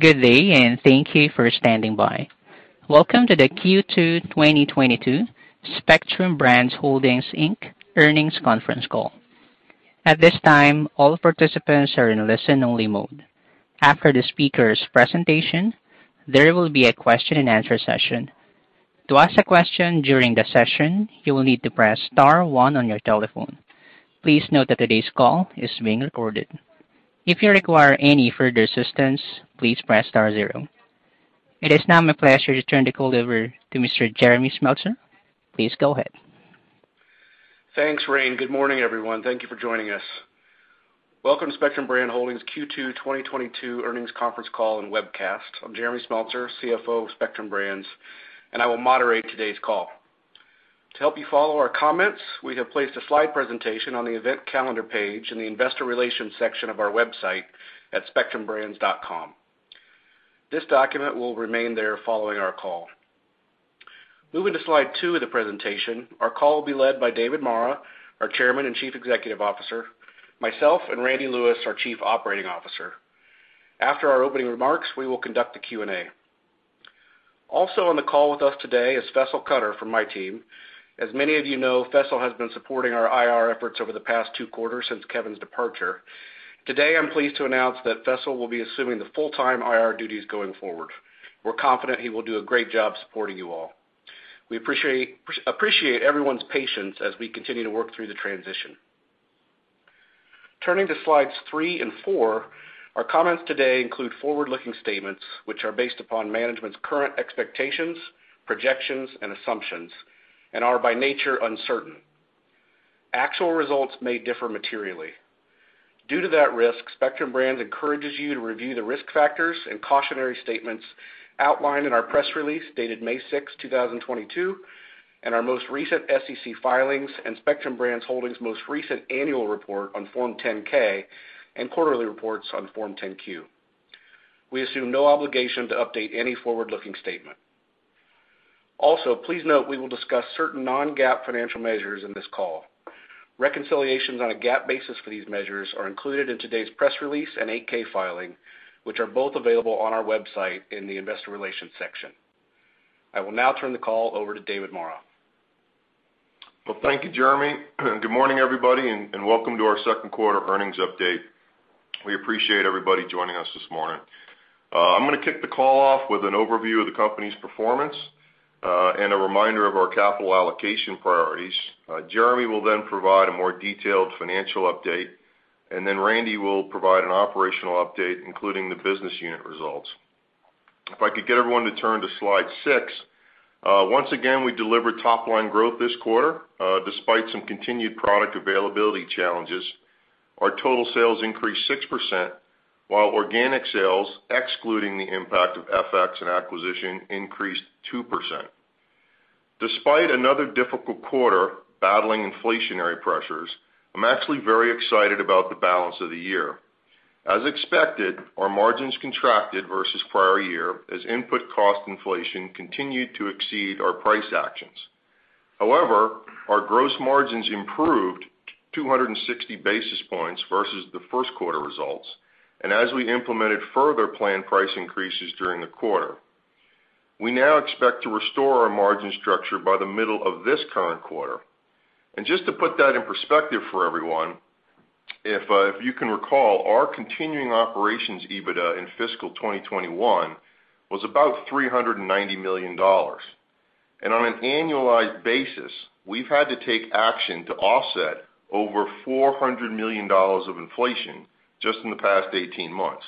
Good day, and thank you for standing by. Welcome to the Q2 2022 Spectrum Brands Holdings, Inc. earnings conference call. At this time, all participants are in listen only mode. After the speaker's presentation, there will be a question-and-answer session. To ask a question during the session, you will need to press star one on your telephone. Please note that today's call is being recorded. If you require any further assistance, please press star zero. It is now my pleasure to turn the call over to Mr. Jeremy Smeltser. Please go ahead. Thanks, Rain. Good morning, everyone. Thank you for joining us. Welcome to Spectrum Brands Holdings Q2 2022 earnings conference call and webcast. I'm Jeremy Smeltser, CFO of Spectrum Brands, and I will moderate today's call. To help you follow our comments, we have placed a slide presentation on the event calendar page in the Investor Relations section of our website at spectrumbrands.com. This document will remain there following our call. Moving to slide two of the presentation, our call will be led by David Maura, our Chairman and Chief Executive Officer, myself, and Randy Lewis, our Chief Operating Officer. After our opening remarks, we will conduct a Q&A. Also on the call with us today is Faisal Qadir from my team. As many of you know, Faisal has been supporting our IR efforts over the past two quarters since Kevin's departure. Today, I'm pleased to announce that Faisal will be assuming the full-time IR duties going forward. We're confident he will do a great job supporting you all. We appreciate everyone's patience as we continue to work through the transition. Turning to slides three and four, our comments today include forward-looking statements, which are based upon management's current expectations, projections, and assumptions, and are by nature uncertain. Actual results may differ materially. Due to that risk, Spectrum Brands encourages you to review the risk factors and cautionary statements outlined in our press release dated May 6th, 2022, and our most recent SEC filings and Spectrum Brands Holdings most recent annual report on Form 10-K and quarterly reports on Form 10-Q. We assume no obligation to update any forward-looking statement. Also, please note we will discuss certain non-GAAP financial measures in this call. Reconciliations on a GAAP basis for these measures are included in today's press release and 8-K filing, which are both available on our website in the Investor Relations section. I will now turn the call over to David Maura. Well, thank you, Jeremy. Good morning, everybody, and welcome to our second quarter earnings update. We appreciate everybody joining us this morning. I'm gonna kick the call off with an overview of the company's performance, and a reminder of our capital allocation priorities. Jeremy will then provide a more detailed financial update, and then Randy will provide an operational update, including the business unit results. If I could get everyone to turn to slide six. Once again, we delivered top-line growth this quarter, despite some continued product availability challenges. Our total sales increased 6%, while organic sales, excluding the impact of FX and acquisition, increased 2%. Despite another difficult quarter battling inflationary pressures, I'm actually very excited about the balance of the year. As expected, our margins contracted versus prior year as input cost inflation continued to exceed our price actions. However, our gross margins improved 260 basis points versus the first quarter results and as we implemented further planned price increases during the quarter. We now expect to restore our margin structure by the middle of this current quarter. Just to put that in perspective for everyone, if you can recall, our continuing operations EBITDA in fiscal 2021 was about $390 million. On an annualized basis, we've had to take action to offset over $400 million of inflation just in the past 18 months.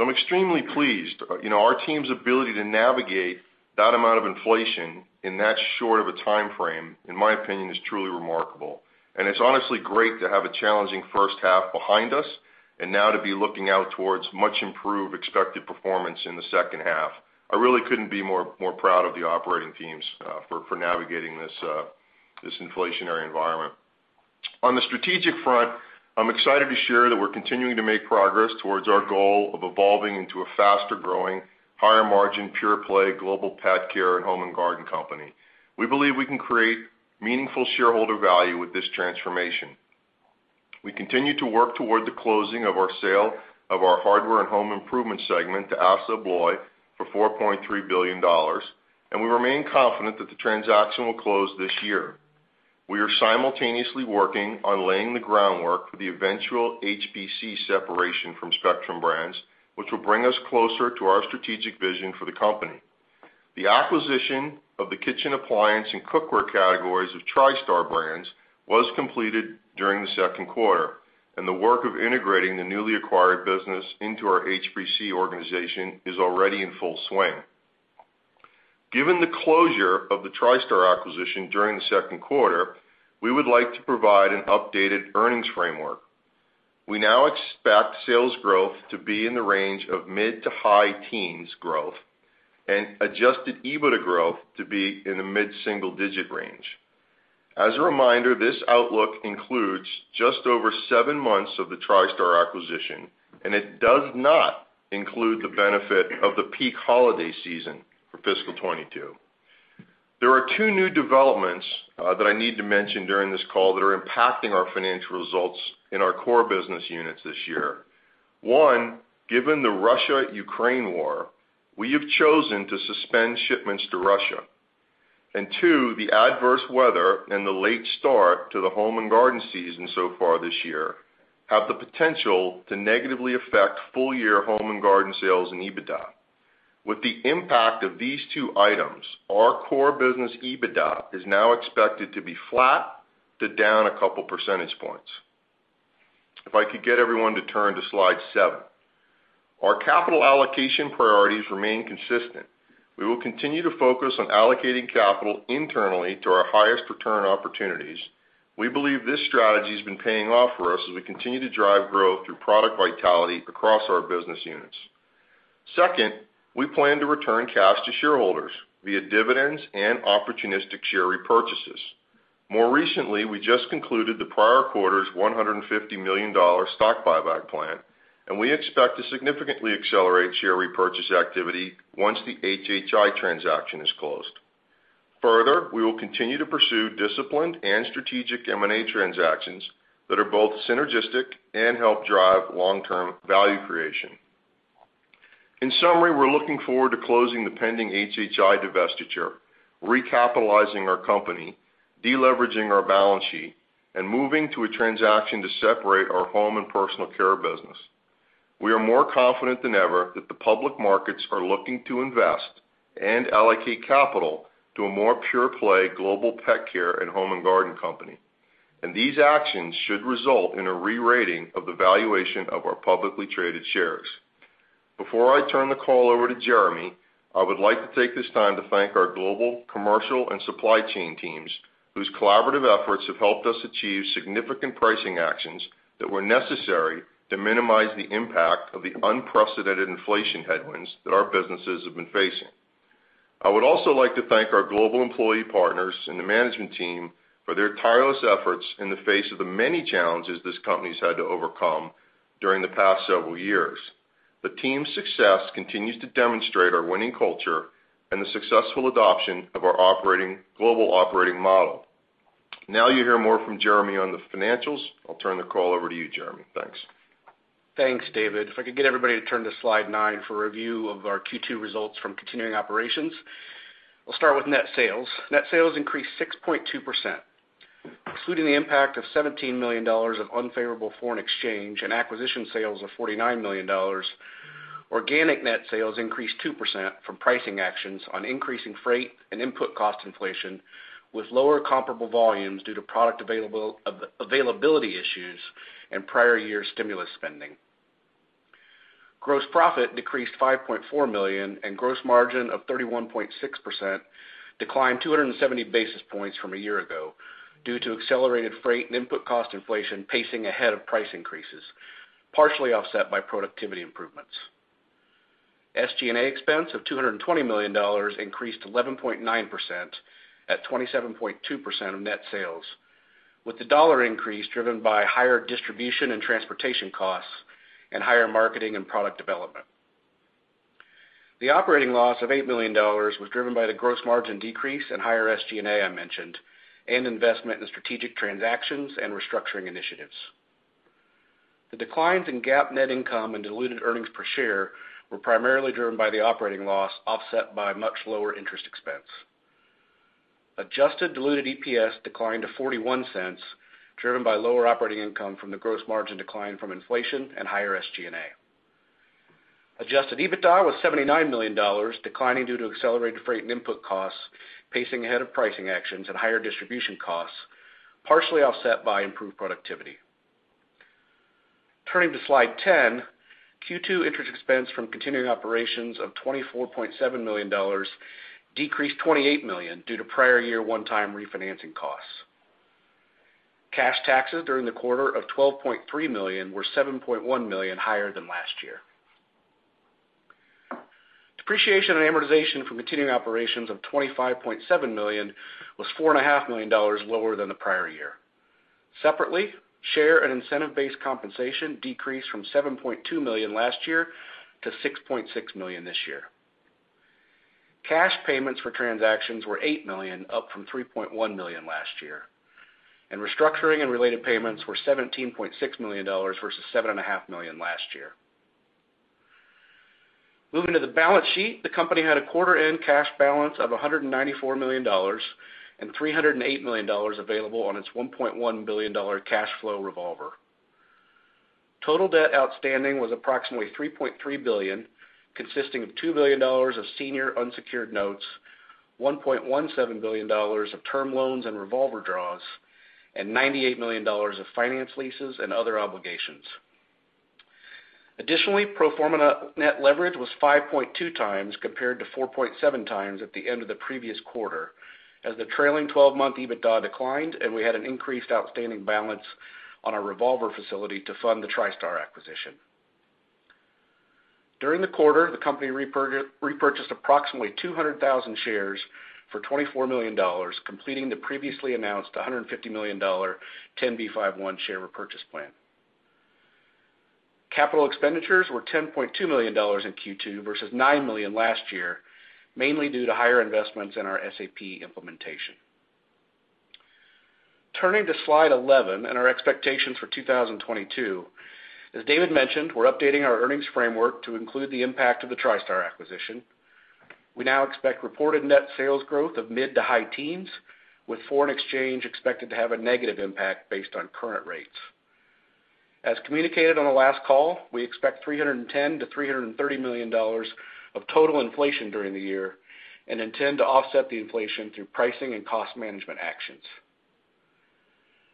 I'm extremely pleased. You know, our team's ability to navigate that amount of inflation in that short of a timeframe, in my opinion, is truly remarkable. It's honestly great to have a challenging first half behind us and now to be looking out towards much improved expected performance in the second half. I really couldn't be more proud of the operating teams for navigating this inflationary environment. On the strategic front, I'm excited to share that we're continuing to make progress towards our goal of evolving into a faster-growing, higher-margin, pure-play Global Pet Care Home and Garden company. We believe we can create meaningful shareholder value with this transformation. We continue to work toward the closing of our sale of our hardware and home improvement segment to ASSA ABLOY for $4.3 billion, and we remain confident that the transaction will close this year. We are simultaneously working on laying the groundwork for the eventual HPC separation from Spectrum Brands, which will bring us closer to our strategic vision for the company. The acquisition of the kitchen appliance and cookware categories of Tristar brands was completed during the second quarter, and the work of integrating the newly acquired business into our HPC organization is already in full swing. Given the closure of the Tristar acquisition during the second quarter, we would like to provide an updated earnings framework. We now expect sales growth to be in the range of mid- to high-teens growth and adjusted EBITDA growth to be in the mid-single-digit range. As a reminder, this outlook includes just over seven months of the Tristar acquisition, and it does not include the benefit of the peak holiday season for fiscal 2022. There are two new developments that I need to mention during this call that are impacting our financial results in our core business units this year. One, given the Russia-Ukraine war, we have chosen to suspend shipments to Russia. Two, the adverse weather and the late start to the Home and Garden season so far this year have the potential to negatively affect full-year Home and Garden sales and EBITDA. With the impact of these two items, our core business EBITDA is now expected to be flat to down a couple percentage points. If I could get everyone to turn to slide seven. Our capital allocation priorities remain consistent. We will continue to focus on allocating capital internally to our highest return opportunities. We believe this strategy has been paying off for us as we continue to drive growth through product vitality across our business units. Second, we plan to return cash to shareholders via dividends and opportunistic share repurchases. More recently, we just concluded the prior quarter's $150 million stock buyback plan, and we expect to significantly accelerate share repurchase activity once the HHI transaction is closed. Further, we will continue to pursue disciplined and strategic M&A transactions that are both synergistic and help drive long-term value creation. In summary, we're looking forward to closing the pending HHI divestiture, recapitalizing our company, deleveraging our balance sheet, and moving to a transaction to separate our Home & Personal care business. We are more confident than ever that the public markets are looking to invest and allocate capital to a more pure-play Global Pet Care and Home and Garden company. These actions should result in a re-rating of the valuation of our publicly traded shares. Before I turn the call over to Jeremy, I would like to take this time to thank our global commercial and supply chain teams whose collaborative efforts have helped us achieve significant pricing actions that were necessary to minimize the impact of the unprecedented inflation headwinds that our businesses have been facing. I would also like to thank our global employee partners and the management team for their tireless efforts in the face of the many challenges this company's had to overcome during the past several years. The team's success continues to demonstrate our winning culture and the successful adoption of our global operating model. Now you'll hear more from Jeremy on the financials. I'll turn the call over to you, Jeremy. Thanks. Thanks, David. If I could get everybody to turn to slide nine for review of our Q2 results from continuing operations. We'll start with net sales. Net sales increased 6.2%. Excluding the impact of $17 million of unfavorable foreign exchange and acquisition sales of $49 million, organic net sales increased 2% from pricing actions on increasing freight and input cost inflation with lower comparable volumes due to product availability issues and prior year stimulus spending. Gross profit decreased $5.4 million, and gross margin of 31.6% declined 270 basis points from a year ago due to accelerated freight and input cost inflation pacing ahead of price increases, partially offset by productivity improvements. SG&A expense of $220 million increased 11.9% at 27.2% of net sales, with the dollar increase driven by higher distribution and transportation costs and higher marketing and product development. The operating loss of $8 million was driven by the gross margin decrease and higher SG&A I mentioned, and investment in strategic transactions and restructuring initiatives. The declines in GAAP net income and diluted earnings per share were primarily driven by the operating loss, offset by much lower interest expense. Adjusted diluted EPS declined to $0.41, driven by lower operating income from the gross margin decline from inflation and higher SG&A. Adjusted EBITDA was $79 million, declining due to accelerated freight and input costs, pacing ahead of pricing actions and higher distribution costs, partially offset by improved productivity. Turning to slide 10, Q2 interest expense from continuing operations of $24.7 million decreased $28 million due to prior year one-time refinancing costs. Cash taxes during the quarter of $12.3 million were $7.1 million higher than last year. Depreciation and amortization from continuing operations of $25.7 million was $4.5 million lower than the prior year. Separately, share and incentive-based compensation decreased from $7.2 million last year to $6.6 million this year. Cash payments for transactions were $8 million, up from $3.1 million last year. Restructuring and related payments were $17.6 million versus $7.5 million last year. Moving to the balance sheet, the company had a quarter-end cash balance of $194 million and $308 million available on its $1.1 billion cash flow revolver. Total debt outstanding was approximately $3.3 billion, consisting of $2 billion of senior unsecured notes, $1.17 billion of term loans and revolver draws, and $98 million of finance leases and other obligations. Additionally, pro forma net leverage was 5.2x compared to 4.7x at the end of the previous quarter, as the trailing 12-month EBITDA declined and we had an increased outstanding balance on our revolver facility to fund the Tristar acquisition. During the quarter, the company repurchased approximately 200,000 shares for $24 million, completing the previously announced $150 million Rule 10b5-1 share repurchase plan. Capital expenditures were $10.2 million in Q2 versus $9 million last year, mainly due to higher investments in our SAP implementation. Turning to slide 11 and our expectations for 2022, as David mentioned, we're updating our earnings framework to include the impact of the Tristar acquisition. We now expect reported net sales growth of mid-to-high teens, with foreign exchange expected to have a negative impact based on current rates. As communicated on the last call, we expect $310 million-$330 million of total inflation during the year, and intend to offset the inflation through pricing and cost management actions.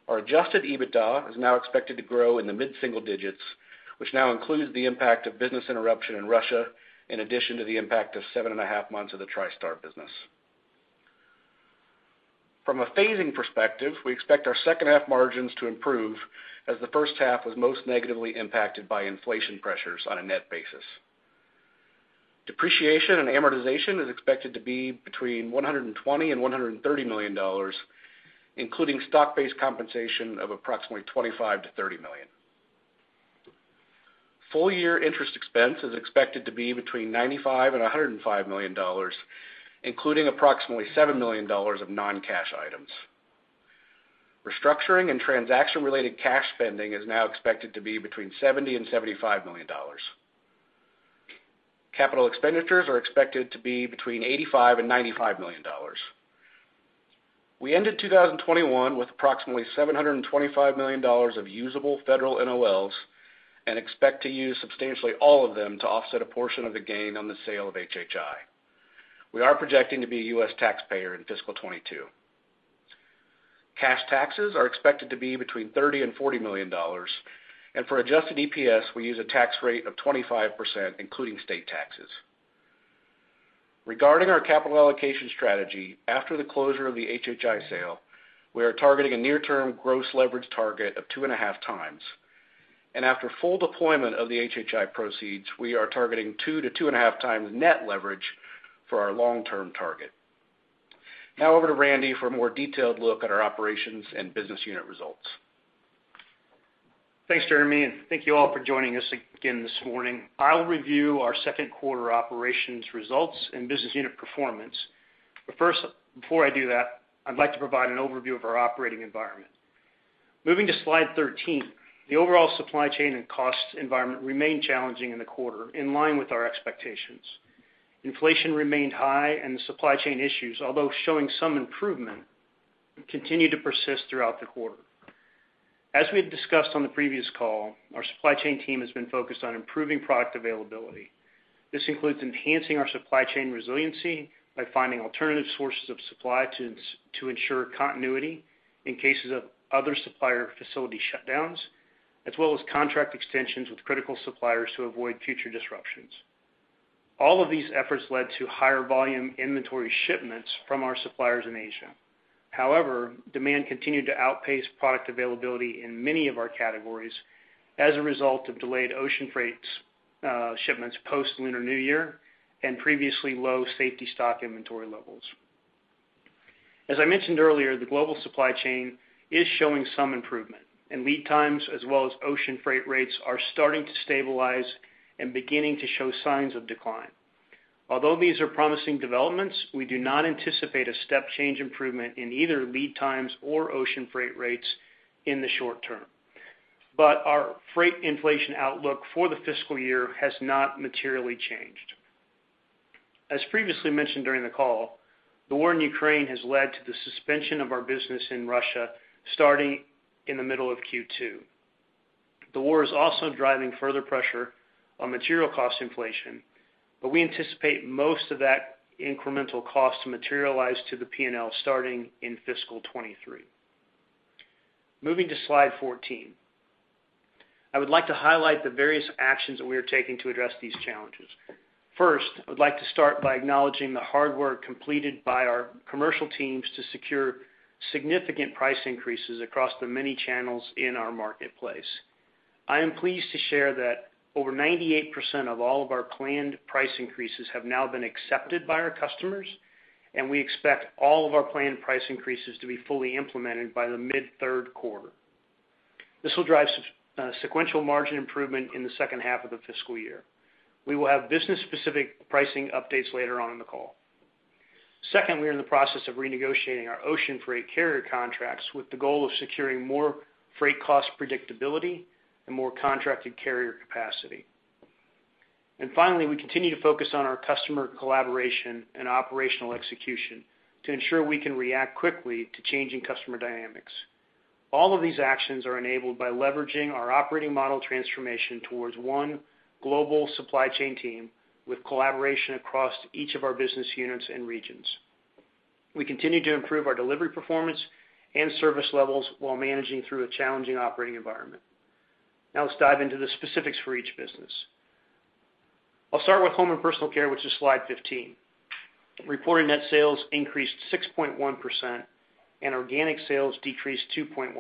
Our adjusted EBITDA is now expected to grow in the mid-single digits, which now includes the impact of business interruption in Russia, in addition to the impact of seven and a half months of the Tristar business. From a phasing perspective, we expect our second half margins to improve as the first half was most negatively impacted by inflation pressures on a net basis. Depreciation and amortization is expected to be between $120 million and $130 million, including stock-based compensation of approximately $25 million-$30 million. Full-year interest expense is expected to be between $95 million and $105 million, including approximately $7 million of non-cash items. Restructuring and transaction-related cash spending is now expected to be between $70 million and $75 million. Capital expenditures are expected to be between $85 million and $95 million. We ended 2021 with approximately $725 million of usable federal NOLs and expect to use substantially all of them to offset a portion of the gain on the sale of HHI. We are projecting to be a U.S. taxpayer in fiscal 2022. Cash taxes are expected to be between $30-$40 million. For adjusted EPS, we use a tax rate of 25%, including state taxes. Regarding our capital allocation strategy, after the closure of the HHI sale, we are targeting a near-term gross leverage target of 2.5x. After full deployment of the HHI proceeds, we are targeting 2x-2.5x net leverage for our long-term target. Now over to Randy for a more detailed look at our operations and business unit results. Thanks, Jeremy, and thank you all for joining us again this morning. I'll review our second quarter operations results and business unit performance. First, before I do that, I'd like to provide an overview of our operating environment. Moving to slide 13, the overall supply chain and cost environment remained challenging in the quarter, in line with our expectations. Inflation remained high and the supply chain issues, although showing some improvement, continued to persist throughout the quarter. As we had discussed on the previous call, our supply chain team has been focused on improving product availability. This includes enhancing our supply chain resiliency by finding alternative sources of supply to ensure continuity in cases of other supplier facility shutdowns, as well as contract extensions with critical suppliers to avoid future disruptions. All of these efforts led to higher volume inventory shipments from our suppliers in Asia. However, demand continued to outpace product availability in many of our categories as a result of delayed ocean freights, shipments post-Lunar New Year and previously low safety stock inventory levels. As I mentioned earlier, the global supply chain is showing some improvement, and lead times as well as ocean freight rates are starting to stabilize and beginning to show signs of decline. Although these are promising developments, we do not anticipate a step change improvement in either lead times or ocean freight rates in the short term. Our freight inflation outlook for the fiscal year has not materially changed. As previously mentioned during the call, the war in Ukraine has led to the suspension of our business in Russia starting in the middle of Q2. The war is also driving further pressure on material cost inflation, but we anticipate most of that incremental cost to materialize to the P&L starting in fiscal 2023. Moving to slide 14, I would like to highlight the various actions that we are taking to address these challenges. First, I would like to start by acknowledging the hard work completed by our commercial teams to secure significant price increases across the many channels in our marketplace. I am pleased to share that over 98% of all of our planned price increases have now been accepted by our customers, and we expect all of our planned price increases to be fully implemented by the mid third quarter. This will drive sequential margin improvement in the second half of the fiscal year. We will have business-specific pricing updates later on in the call. Second, we are in the process of renegotiating our ocean freight carrier contracts with the goal of securing more freight cost predictability and more contracted carrier capacity. Finally, we continue to focus on our customer collaboration and operational execution to ensure we can react quickly to changing customer dynamics. All of these actions are enabled by leveraging our operating model transformation towards one global supply chain team with collaboration across each of our business units and regions. We continue to improve our delivery performance and service levels while managing through a challenging operating environment. Now, let's dive into the specifics for each business. I'll start with Home & Personal Care, which is slide 15. Reported net sales increased 6.1% and organic sales decreased 2.1%.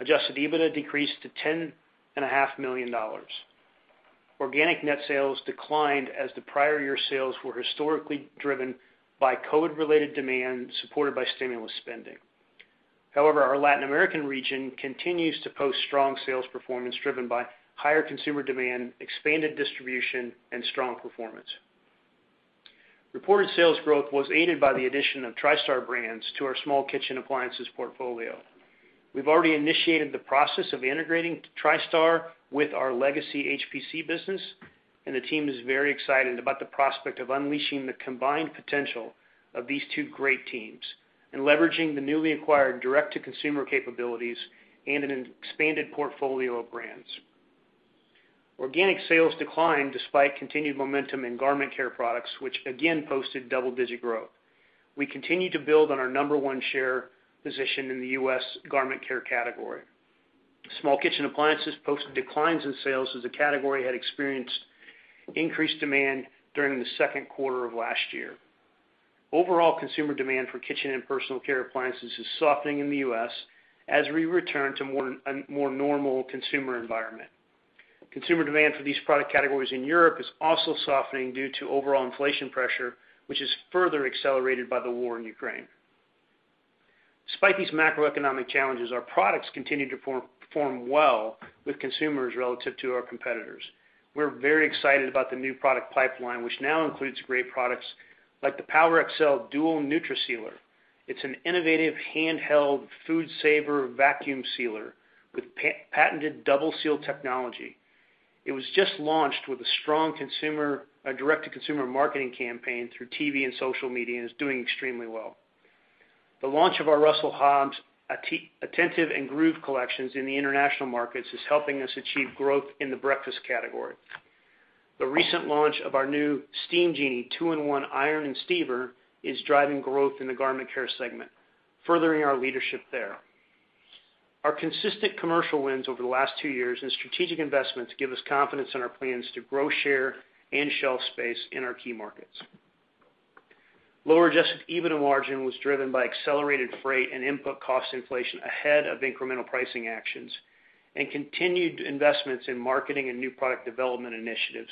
Adjusted EBITDA decreased to $10.5 million. Organic net sales declined as the prior year sales were historically driven by COVID-related demand, supported by stimulus spending. However, our Latin American region continues to post strong sales performance, driven by higher consumer demand, expanded distribution, and strong performance. Reported sales growth was aided by the addition of Tristar brands to our small kitchen appliances portfolio. We've already initiated the process of integrating Tristar with our legacy HPC business, and the team is very excited about the prospect of unleashing the combined potential of these two great teams and leveraging the newly acquired direct-to-consumer capabilities and an expanded portfolio of brands. Organic sales declined despite continued momentum in garment care products, which again posted double-digit growth. We continue to build on our number one share position in the U.S. garment care category. Small kitchen appliances posted declines in sales as the category had experienced increased demand during the second quarter of last year. Overall consumer demand for kitchen and personal care appliances is softening in the U.S. as we return to a more normal consumer environment. Consumer demand for these product categories in Europe is also softening due to overall inflation pressure, which is further accelerated by the war in Ukraine. Despite these macroeconomic challenges, our products continue to perform well with consumers relative to our competitors. We're very excited about the new product pipeline, which now includes great products like the PowerXL Duo NutriSealer. It's an innovative handheld food-saver vacuum sealer with patented double-seal technology. It was just launched with a direct-to-consumer marketing campaign through TV and social media, and is doing extremely well. The launch of our Russell Hobbs Attentiv and Groove collections in the international markets is helping us achieve growth in the breakfast category. The recent launch of our new Steam Genie 2 in 1 iron and steamer is driving growth in the garment care segment, furthering our leadership there. Our consistent commercial wins over the last two years and strategic investments give us confidence in our plans to grow share and shelf space in our key markets. Lower adjusted EBITDA margin was driven by accelerated freight and input cost inflation ahead of incremental pricing actions and continued investments in marketing and new product development initiatives,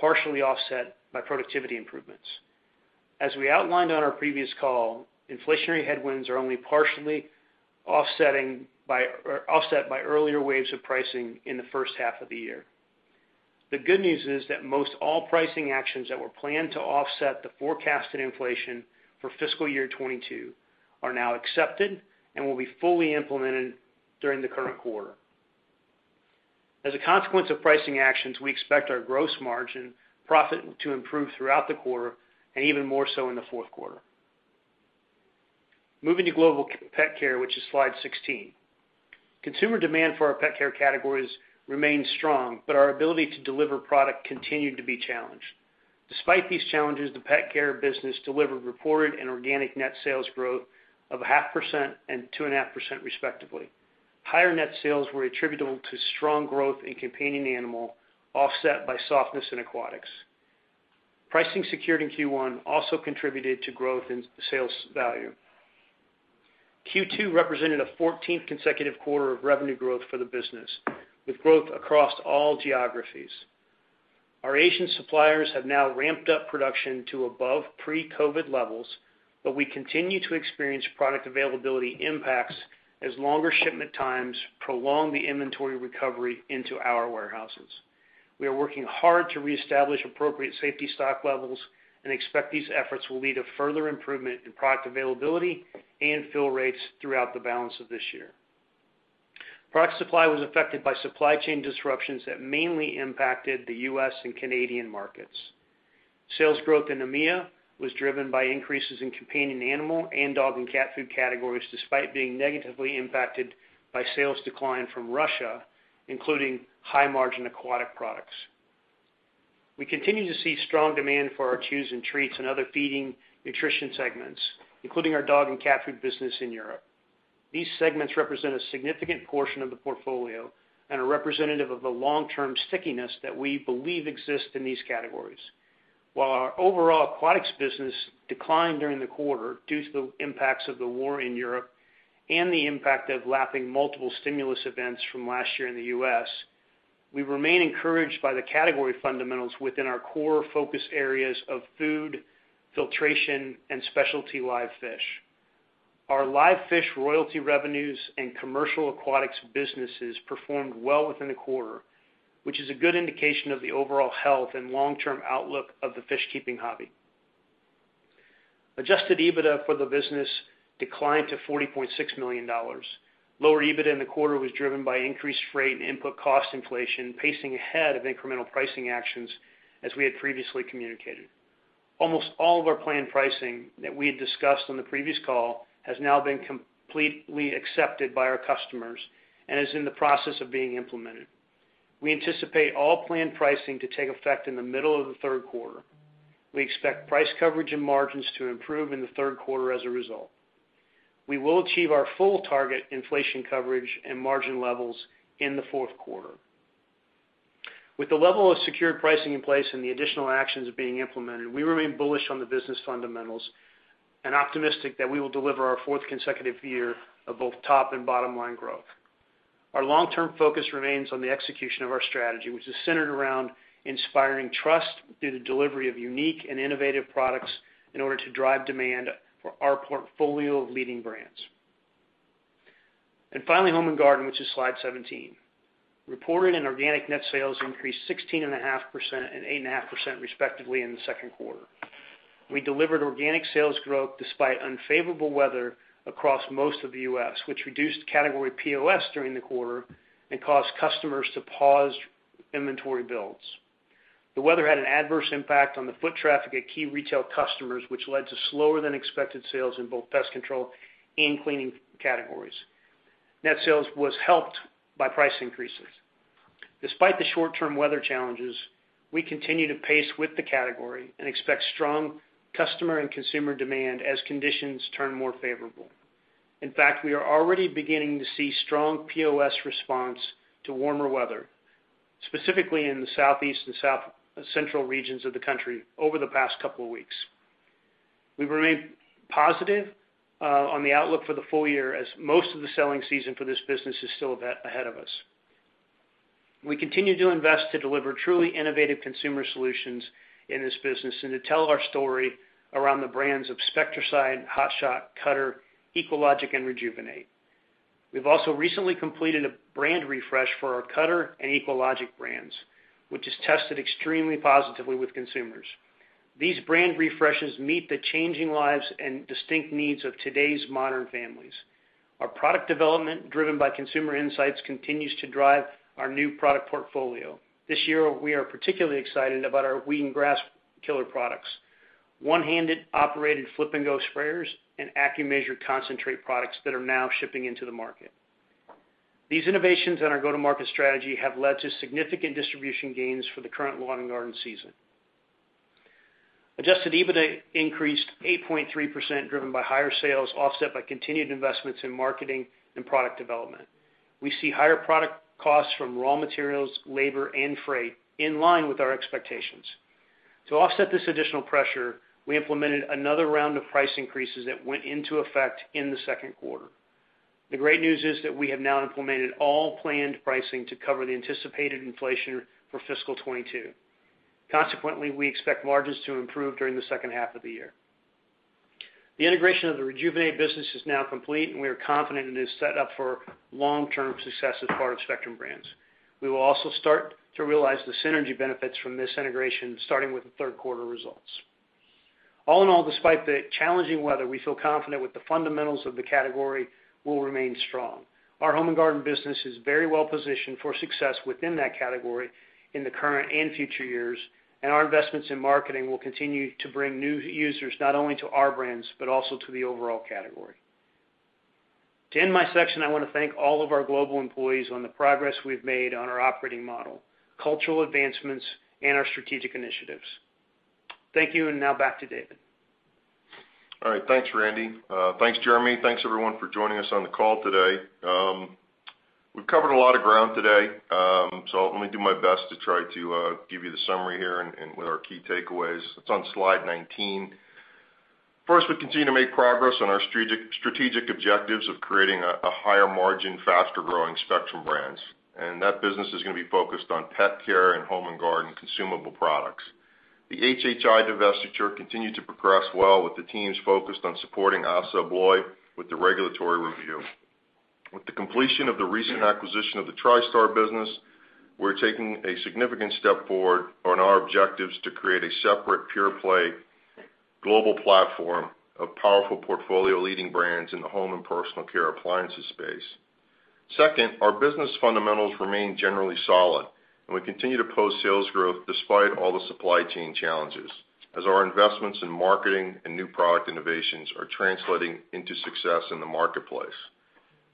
partially offset by productivity improvements. As we outlined on our previous call, inflationary headwinds are only partially offset by earlier waves of pricing in the first half of the year. The good news is that most all pricing actions that were planned to offset the forecasted inflation for fiscal year 2022 are now accepted and will be fully implemented during the current quarter. As a consequence of pricing actions, we expect our gross margin profit to improve throughout the quarter and even more so in the fourth quarter. Moving to Global Pet Care, which is slide 16. Consumer demand for our Pet Care categories remains strong, but our ability to deliver product continued to be challenged. Despite these challenges, the Pet Care business delivered reported and organic net sales growth of 0.5% and 2.5% respectively. Higher net sales were attributable to strong growth in companion animal, offset by softness in aquatics. Pricing secured in Q1 also contributed to growth in sales value. Q2 represented a 14th consecutive quarter of revenue growth for the business, with growth across all geographies. Our Asian suppliers have now ramped up production to above pre-COVID levels, but we continue to experience product availability impacts as longer shipment times prolong the inventory recovery into our warehouses. We are working hard to reestablish appropriate safety stock levels and expect these efforts will lead to further improvement in product availability and fill rates throughout the balance of this year. Product supply was affected by supply chain disruptions that mainly impacted the U.S. and Canadian markets. Sales growth in EMEA was driven by increases in companion animal and dog and cat food categories, despite being negatively impacted by sales decline from Russia, including high-margin aquatic products. We continue to see strong demand for our chews and treats and other feeding nutrition segments, including our dog and cat food business in Europe. These segments represent a significant portion of the portfolio and are representative of the long-term stickiness that we believe exists in these categories. While our overall aquatics business declined during the quarter due to the impacts of the war in Europe and the impact of lapping multiple stimulus events from last year in the U.S., we remain encouraged by the category fundamentals within our core focus areas of food, filtration, and specialty live fish. Our live fish royalty revenues and commercial aquatics businesses performed well within the quarter, which is a good indication of the overall health and long-term outlook of the fish-keeping hobby. Adjusted EBITDA for the business declined to $40.6 million. Lower EBITDA in the quarter was driven by increased freight and input cost inflation, pacing ahead of incremental pricing actions, as we had previously communicated. Almost all of our planned pricing that we had discussed on the previous call has now been completely accepted by our customers and is in the process of being implemented. We anticipate all planned pricing to take effect in the middle of the third quarter. We expect price coverage and margins to improve in the third quarter as a result. We will achieve our full target inflation coverage and margin levels in the fourth quarter. With the level of secured pricing in place and the additional actions being implemented, we remain bullish on the business fundamentals. Optimistic that we will deliver our fourth consecutive year of both top- and bottom-line growth. Our long-term focus remains on the execution of our strategy, which is centered around inspiring trust through the delivery of unique and innovative products in order to drive demand for our portfolio of leading brands. Finally, Home and Garden, which is slide 17. Reported and organic net sales increased 16.5% and 8.5% respectively in the second quarter. We delivered organic sales growth despite unfavorable weather across most of the U.S., which reduced category POS during the quarter and caused customers to pause inventory builds. The weather had an adverse impact on the foot traffic at key retail customers, which led to slower than expected sales in both pest control and cleaning categories. Net sales was helped by price increases. Despite the short-term weather challenges, we continue to pace with the category and expect strong customer and consumer demand as conditions turn more favorable. In fact, we are already beginning to see strong POS response to warmer weather, specifically in the southeast and south central regions of the country over the past couple of weeks. We remain positive on the outlook for the full year as most of the selling season for this business is still ahead of us. We continue to invest to deliver truly innovative consumer solutions in this business and to tell our story around the brands of Spectracide, Hot Shot, Cutter, EcoLogic, and Rejuvenate. We've also recently completed a brand refresh for our Cutter and EcoLogic brands, which has tested extremely positively with consumers. These brand refreshes meet the changing lives and distinct needs of today's modern families. Our product development, driven by consumer insights, continues to drive our new product portfolio. This year, we are particularly excited about our Weed & Grass Killer products, one-handed operated Flip & Go sprayers, and AccuMeasure concentrate products that are now shipping into the market. These innovations in our go-to-market strategy have led to significant distribution gains for the current lawn and garden season. Adjusted EBITDA increased 8.3%, driven by higher sales, offset by continued investments in marketing and product development. We see higher product costs from raw materials, labor, and freight in line with our expectations. To offset this additional pressure, we implemented another round of price increases that went into effect in the second quarter. The great news is that we have now implemented all planned pricing to cover the anticipated inflation for fiscal 2022. Consequently, we expect margins to improve during the second half of the year. The integration of the Rejuvenate business is now complete, and we are confident it is set up for long-term success as part of Spectrum Brands. We will also start to realize the synergy benefits from this integration, starting with the third quarter results. All in all, despite the challenging weather, we feel confident with the fundamentals of the category will remain strong. Our Home and Garden business is very well-positioned for success within that category in the current and future years, and our investments in marketing will continue to bring new users not only to our brands, but also to the overall category. To end my section, I want to thank all of our global employees on the progress we've made on our operating model, cultural advancements, and our strategic initiatives. Thank you, and now back to David. All right, thanks, Randy. Thanks, Jeremy. Thanks, everyone, for joining us on the call today. We've covered a lot of ground today, so let me do my best to try to give you the summary here and what are our key takeaways. It's on slide 19. First, we continue to make progress on our strategic objectives of creating a higher-margin, faster-growing Spectrum Brands, and that business is gonna be focused on Pet Care and Home and Garden consumable products. The HHI divestiture continued to progress well with the teams focused on supporting ASSA ABLOY with the regulatory review. With the completion of the recent acquisition of the Tristar business, we're taking a significant step forward on our objectives to create a separate pure play global platform of powerful portfolio-leading brands in the Home & Personal care appliances space. Second, our business fundamentals remain generally solid, and we continue to post sales growth despite all the supply chain challenges, as our investments in marketing and new product innovations are translating into success in the marketplace.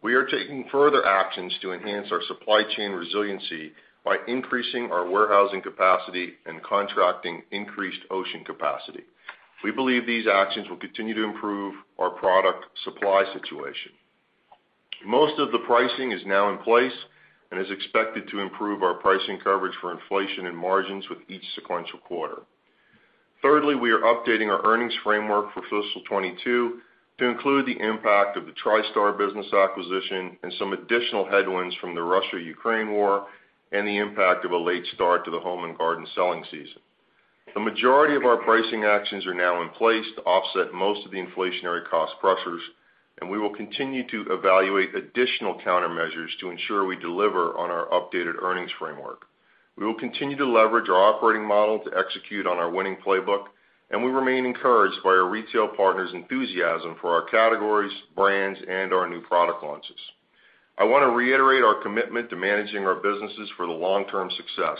We are taking further actions to enhance our supply chain resiliency by increasing our warehousing capacity and contracting increased ocean capacity. We believe these actions will continue to improve our product supply situation. Most of the pricing is now in place and is expected to improve our pricing coverage for inflation and margins with each sequential quarter. Thirdly, we are updating our earnings framework for fiscal 2022 to include the impact of the Tristar business acquisition and some additional headwinds from the Russia-Ukraine war and the impact of a late start to the Home and Garden selling season. The majority of our pricing actions are now in place to offset most of the inflationary cost pressures, and we will continue to evaluate additional countermeasures to ensure we deliver on our updated earnings framework. We will continue to leverage our operating model to execute on our winning playbook, and we remain encouraged by our retail partners' enthusiasm for our categories, brands, and our new product launches. I want to reiterate our commitment to managing our businesses for the long-term success.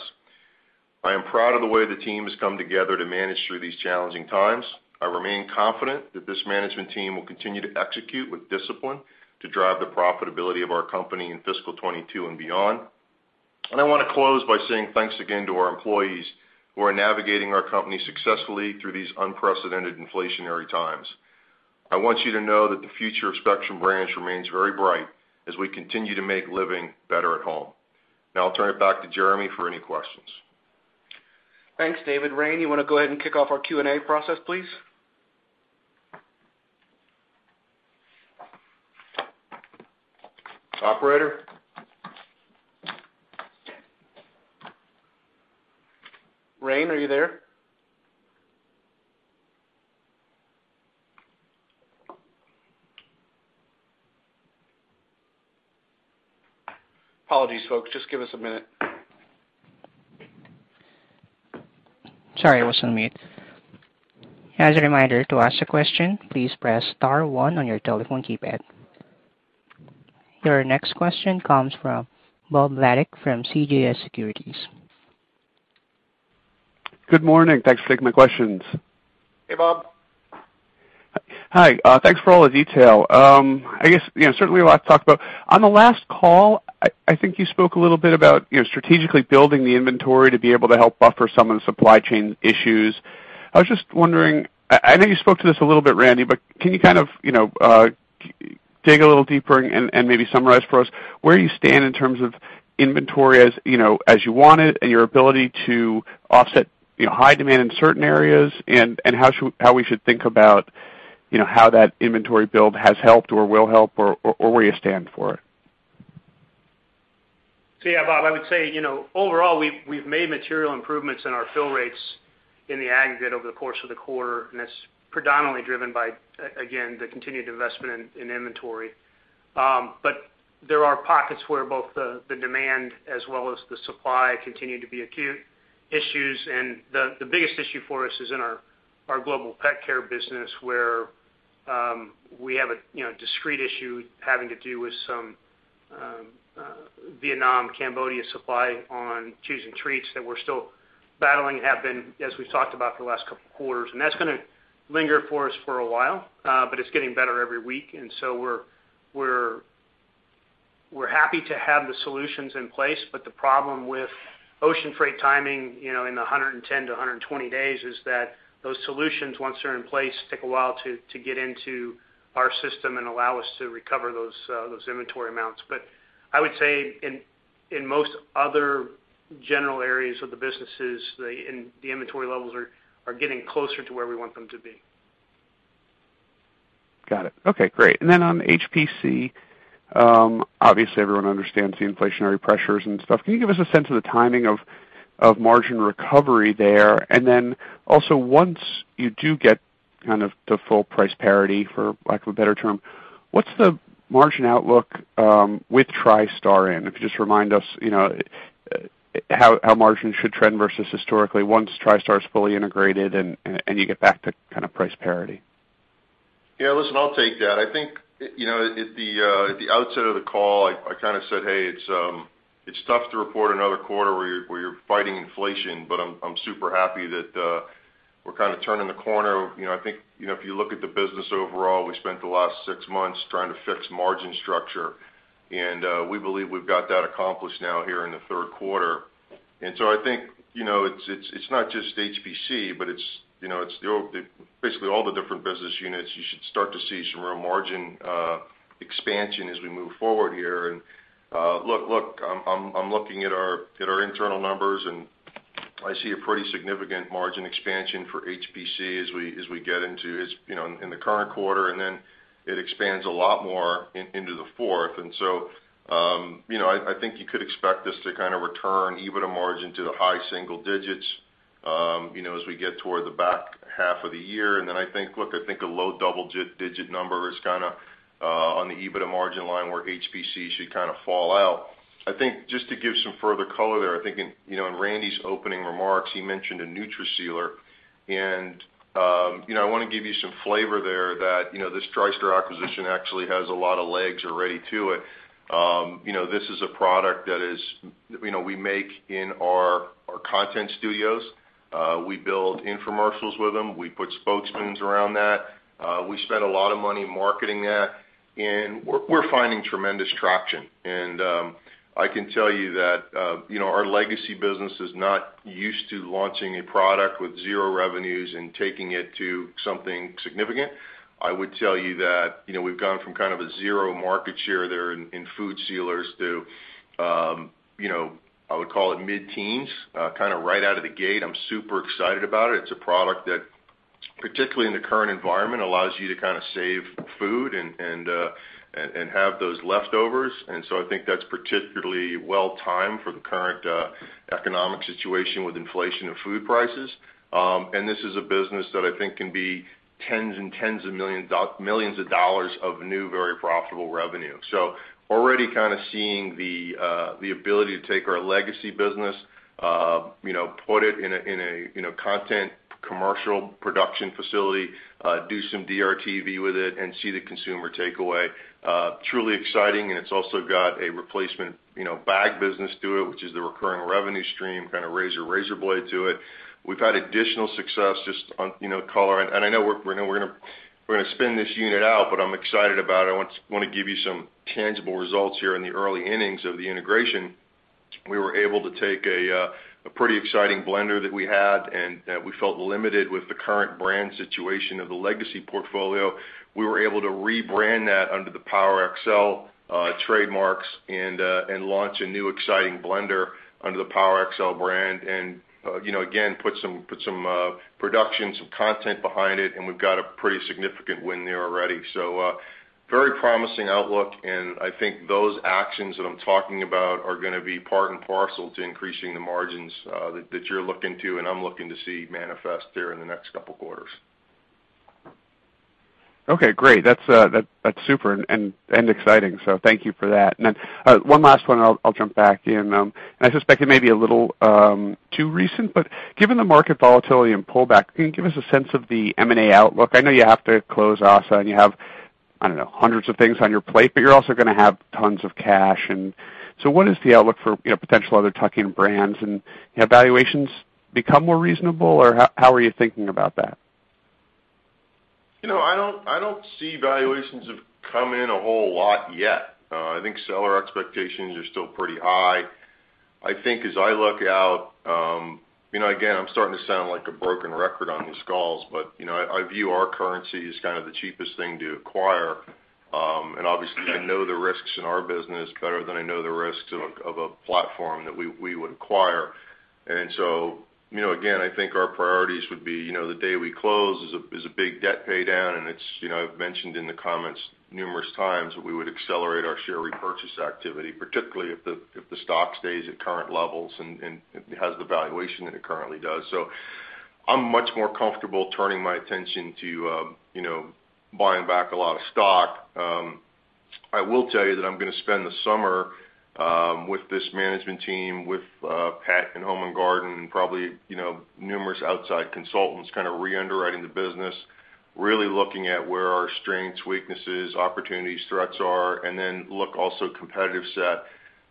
I am proud of the way the team has come together to manage through these challenging times. I remain confident that this management team will continue to execute with discipline to drive the profitability of our company in fiscal 2022 and beyond. I wanna close by saying thanks again to our employees who are navigating our company successfully through these unprecedented inflationary times. I want you to know that the future of Spectrum Brands remains very bright as we continue to make living better at home. Now I'll turn it back to Jeremy for any questions. Thanks, David. Rain, you wanna go ahead and kick off our Q&A process, please? Operator? Rain, are you there? Apologies, folks. Just give us a minute. Sorry, I was on mute. As a reminder to ask a question, please press star one on your telephone keypad. Your next question comes from Bob Labick from CJS Securities. Good morning. Thanks for taking my questions. Hey, Bob. Hi. Thanks for all the detail. I guess, you know, certainly a lot to talk about. On the last call, I think you spoke a little bit about, you know, strategically building the inventory to be able to help buffer some of the supply chain issues. I was just wondering, I know you spoke to this a little bit, Randy, but can you kind of, you know, dig a little deeper and maybe summarize for us where you stand in terms of inventory as, you know, as you want it and your ability to offset, you know, high demand in certain areas, and how we should think about, you know, how that inventory build has helped or will help or where you stand for it? Yeah, Bob, I would say, you know, overall, we've made material improvements in our fill rates in the aggregate over the course of the quarter, and it's predominantly driven by again, the continued investment in inventory. But there are pockets where both the demand as well as the supply continue to be acute issues. The biggest issue for us is in our Global Pet Care business, where we have a discrete issue having to do with some Vietnam, Cambodia supply on chews and treats that we're still battling, have been, as we've talked about for the last couple of quarters. That's gonna linger for us for a while, but it's getting better every week. We're happy to have the solutions in place, but the problem with ocean freight timing, you know, in the 110 to 120 days is that those solutions, once they're in place, take a while to get into our system and allow us to recover those inventory amounts. I would say in most other general areas of the businesses, the inventory levels are getting closer to where we want them to be. Got it. Okay, great. On HPC, obviously everyone understands the inflationary pressures and stuff. Can you give us a sense of the timing of margin recovery there? Also once you do get kind of the full price parity, for lack of a better term, what's the margin outlook with Tristar in? If you just remind us, you know, how margins should trend versus historically once Tristar is fully integrated and you get back to kind of price parity. Yeah. Listen, I'll take that. I think, you know, at the outset of the call, I kind of said, hey, it's tough to report another quarter where you're fighting inflation, but I'm super happy that we're kind of turning the corner. You know, I think, you know, if you look at the business overall, we spent the last six months trying to fix margin structure, and we believe we've got that accomplished now here in the third quarter. I think, you know, it's not just HPC, but it's, you know, it's basically all the different business units, you should start to see some real margin expansion as we move forward here. Look, I'm looking at our internal numbers, and I see a pretty significant margin expansion for HPC as we get into it's, you know, in the current quarter, and then it expands a lot more into the fourth. I think you could expect this to kind of return EBITDA margin to the high single digits, you know, as we get toward the back half of the year. I think a low double-digit number is kinda on the EBITDA margin line where HPC should kind of fall out. I think just to give some further color there, I think in, you know, in Randy's opening remarks, he mentioned a NutriSealer. You know, I wanna give you some flavor there that, you know, this Tristar acquisition actually has a lot of legs already to it. You know, this is a product that is, you know, we make in our content studios. We build infomercials with them. We put spokesmen around that. We spend a lot of money marketing that, and we're finding tremendous traction. I can tell you that, you know, our legacy business is not used to launching a product with zero revenues and taking it to something significant. I would tell you that, you know, we've gone from kind of a zero market share there in food sealers to, you know, I would call it mid-teens, kind of right out of the gate. I'm super excited about it. It's a product that, particularly in the current environment, allows you to kind of save food and have those leftovers. I think that's particularly well-timed for the current economic situation with inflation of food prices. This is a business that I think can be tens of millions of dollars of new, very profitable revenue. Already kind of seeing the ability to take our legacy business, put it in a content commercial production facility, do some DRTV with it and see the consumer takeaway, truly exciting, and it's also got a replacement bag business to it, which is the recurring revenue stream, kind of razor blade to it. We've had additional success just on color. I know we're gonna spin this unit out, but I'm excited about it. I wanna give you some tangible results here in the early innings of the integration. We were able to take a pretty exciting blender that we had and that we felt limited with the current brand situation of the legacy portfolio. We were able to rebrand that under the PowerXL trademarks and launch a new exciting blender under the PowerXL brand and, you know, again, put some production, some content behind it, and we've got a pretty significant win there already. Very promising outlook, and I think those actions that I'm talking about are gonna be part and parcel to increasing the margins, that you're looking to and I'm looking to see manifest there in the next couple quarters. Okay, great. That's super and exciting, so thank you for that. One last one, and I'll jump back in. I suspect it may be a little too recent, but given the market volatility and pullback, can you give us a sense of the M&A outlook? I know you have to close ASSA ABLOY, and you have, I don't know, hundreds of things on your plate, but you're also gonna have tons of cash. What is the outlook for, you know, potential other tuck-in brands? You know, have valuations become more reasonable, or how are you thinking about that? You know, I don't see valuations have come in a whole lot yet. I think seller expectations are still pretty high. I think as I look out, you know, again, I'm starting to sound like a broken record on these calls, but, you know, I view our currency as kind of the cheapest thing to acquire. And obviously I know the risks in our business better than I know the risks of a platform that we would acquire. You know, again, I think our priorities would be, you know, the day we close is a big debt paydown, and it's, you know, I've mentioned in the comments numerous times that we would accelerate our share repurchase activity, particularly if the stock stays at current levels and it has the valuation that it currently does. I'm much more comfortable turning my attention to, you know, buying back a lot of stock. I will tell you that I'm gonna spend the summer with this management team, with Pet and Home and Garden, and probably, you know, numerous outside consultants kind of re-underwriting the business, really looking at where our strengths, weaknesses, opportunities, threats are, and then look also competitive set,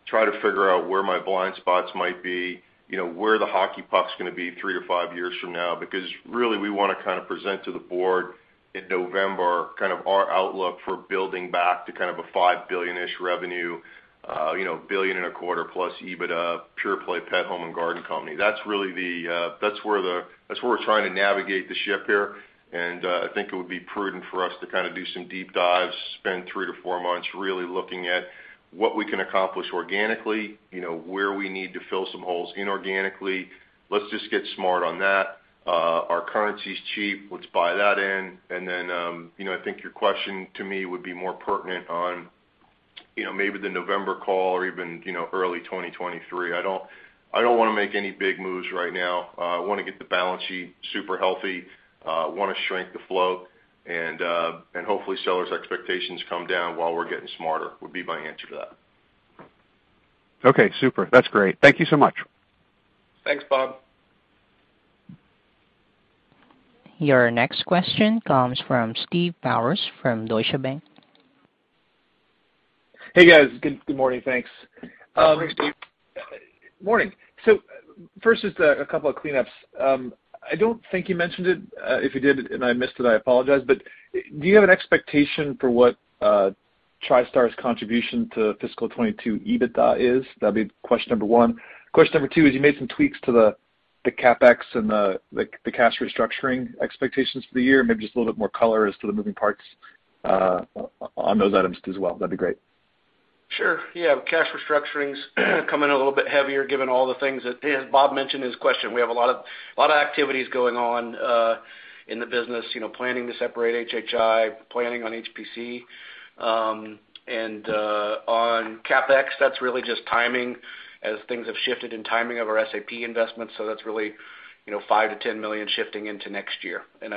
try to figure out where my blind spots might be. You know, where the hockey puck's gonna be three to five years from now. Because really, we wanna kind of present to the board in November kind of our outlook for building back to kind of a $5 billion-ish revenue, you know, $1.25 billion plus EBITDA, pure play Pet Home and Garden company. That's really where we're trying to navigate the ship here. I think it would be prudent for us to kind of do some deep dives, spend three to four months really looking at what we can accomplish organically, you know, where we need to fill some holes inorganically. Let's just get smart on that. Our currency's cheap. Let's buy that in. You know, I think your question to me would be more pertinent on, you know, maybe the November call or even, you know, early 2023. I don't wanna make any big moves right now. I wanna get the balance sheet super healthy, wanna shrink the flow, and hopefully sellers' expectations come down while we're getting smarter. That would be my answer to that. Okay, super. That's great. Thank you so much. Thanks, Bob. Your next question comes from Steve Powers from Deutsche Bank. Hey, guys. Good morning. Thanks. Morning, Steve. Morning. First, just a couple of cleanups. I don't think you mentioned it, if you did and I missed it, I apologize, but do you have an expectation for what, Tristar's contribution to fiscal 2022 EBITDA is? That'd be question number one. Question number two is you made some tweaks to the CapEx and the, like, the cash restructuring expectations for the year. Maybe just a little bit more color as to the moving parts, on those items as well. That'd be great. Sure. Yeah. Cash restructurings come in a little bit heavier given all the things that, as Bob mentioned in his question, we have a lot of activities going on in the business. You know, planning to separate HHI, planning on HPC. On CapEx, that's really just timing as things have shifted in timing of our SAP investments. That's really, you know, $5 million-$10 million shifting into next year. On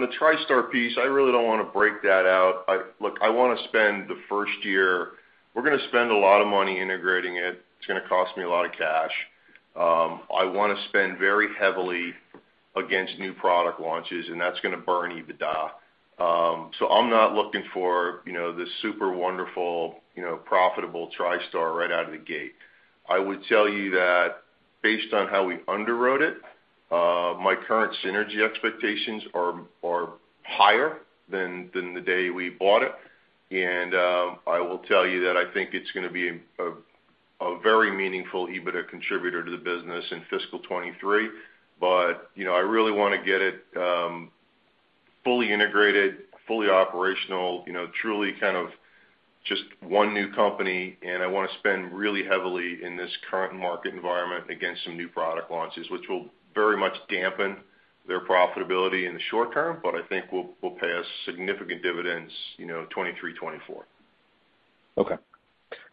the Tristar piece, I really don't wanna break that out. Look, I wanna spend the first year. We're gonna spend a lot of money integrating it. It's gonna cost me a lot of cash. I wanna spend very heavily against new product launches, and that's gonna burn EBITDA. I'm not looking for, you know, this super wonderful, you know, profitable Tristar right out of the gate. I would tell you that based on how we underwrote it, my current synergy expectations are higher than the day we bought it. I will tell you that I think it's gonna be a very meaningful EBITDA contributor to the business in fiscal 2023. You know, I really wanna get it fully integrated, fully operational, you know, truly kind of just one new company. I wanna spend really heavily in this current market environment against some new product launches, which will very much dampen their profitability in the short term, but I think will pay us significant dividends, you know, 2023, 2024. Okay.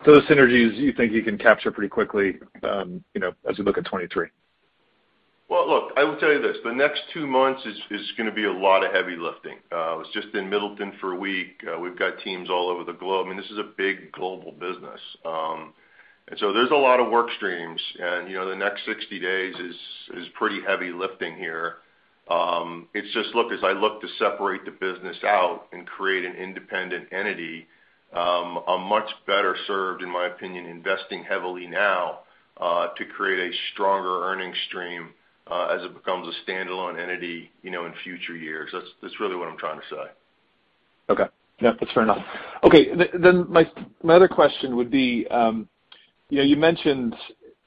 The synergies you think you can capture pretty quickly, you know, as we look at 2023? Well, look, I will tell you this. The next two months is gonna be a lot of heavy lifting. I was just in Middleton for a week. We've got teams all over the globe. I mean, this is a big global business. There's a lot of work streams and, you know, the next 60 days is pretty heavy lifting here. It's just, look, as I look to separate the business out and create an independent entity, I'm much better served, in my opinion, investing heavily now, to create a stronger earning stream, as it becomes a standalone entity, you know, in future years. That's really what I'm trying to say. Okay. Yeah, that's fair enough. Okay. My other question would be, you know, you mentioned,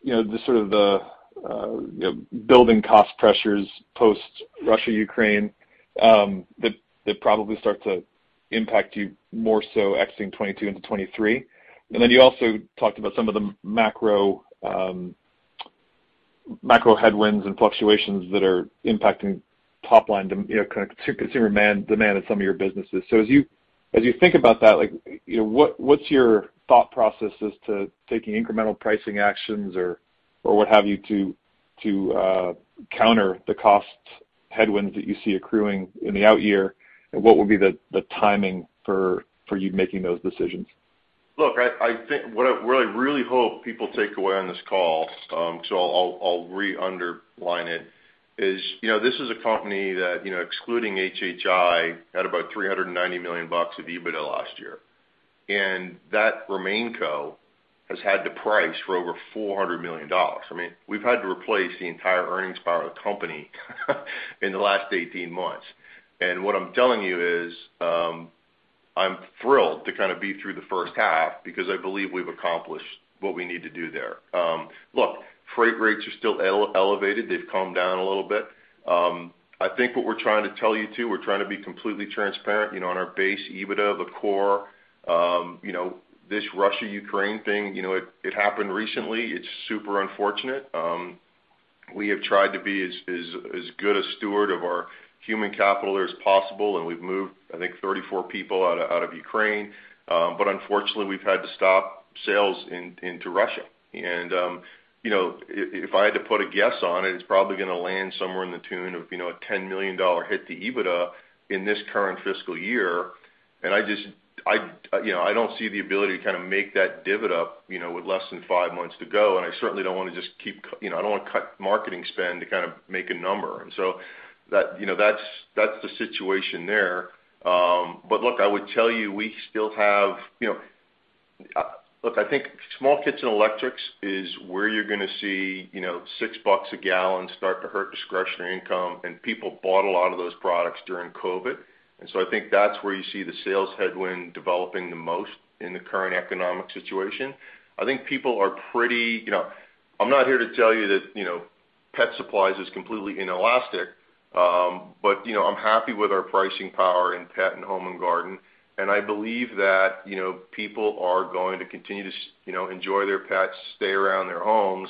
you know, the sort of the, you know, building cost pressures post Russia-Ukraine, that probably start to impact you more so exiting 2022 into 2023. You also talked about some of the macro headwinds and fluctuations that are impacting top line, you know, kind of consumer demand at some of your businesses. As you think about that, like, you know, what's your thought process as to taking incremental pricing actions or what have you to counter the cost headwinds that you see accruing in the out year? What would be the timing for you making those decisions? Look, I think what I really hope people take away on this call, so I'll re-underline it, is, you know, this is a company that, you know, excluding HHI, had about $390 million of EBITDA last year. That remaining co has had to provide for over $400 million. I mean, we've had to replace the entire earnings power of the company in the last 18 months. What I'm telling you is, I'm thrilled to kind of be through the first half because I believe we've accomplished what we need to do there. Look, freight rates are still elevated. They've calmed down a little bit. I think what we're trying to tell you, too, we're trying to be completely transparent, you know, on our base EBITDA, the core. You know, this Russia-Ukraine thing, you know, it happened recently. It's super unfortunate. We have tried to be as good a steward of our human capital as possible, and we've moved, I think, 34 people out of Ukraine. Unfortunately, we've had to stop sales into Russia. You know, if I had to put a guess on it's probably gonna land somewhere to the tune of, you know, a $10 million hit to EBITDA in this current fiscal year. I just, you know, I don't see the ability to kind of make that divot up, you know, with less than five months to go, and I certainly don't wanna just, you know, I don't wanna cut marketing spend to kind of make a number. that, you know, that's the situation there. But look, I would tell you, we still have, you know. Look, I think small kitchen electrics is where you're gonna see, you know, $6 a gallon start to hurt discretionary income, and people bought a lot of those products during COVID. I think that's where you see the sales headwind developing the most in the current economic situation. I think people are pretty you know, I'm not here to tell you that, you know, pet supplies is completely inelastic, but, you know, I'm happy with our pricing power in Pet and Home and Garden. I believe that, you know, people are going to continue to you know, enjoy their pets, stay around their homes,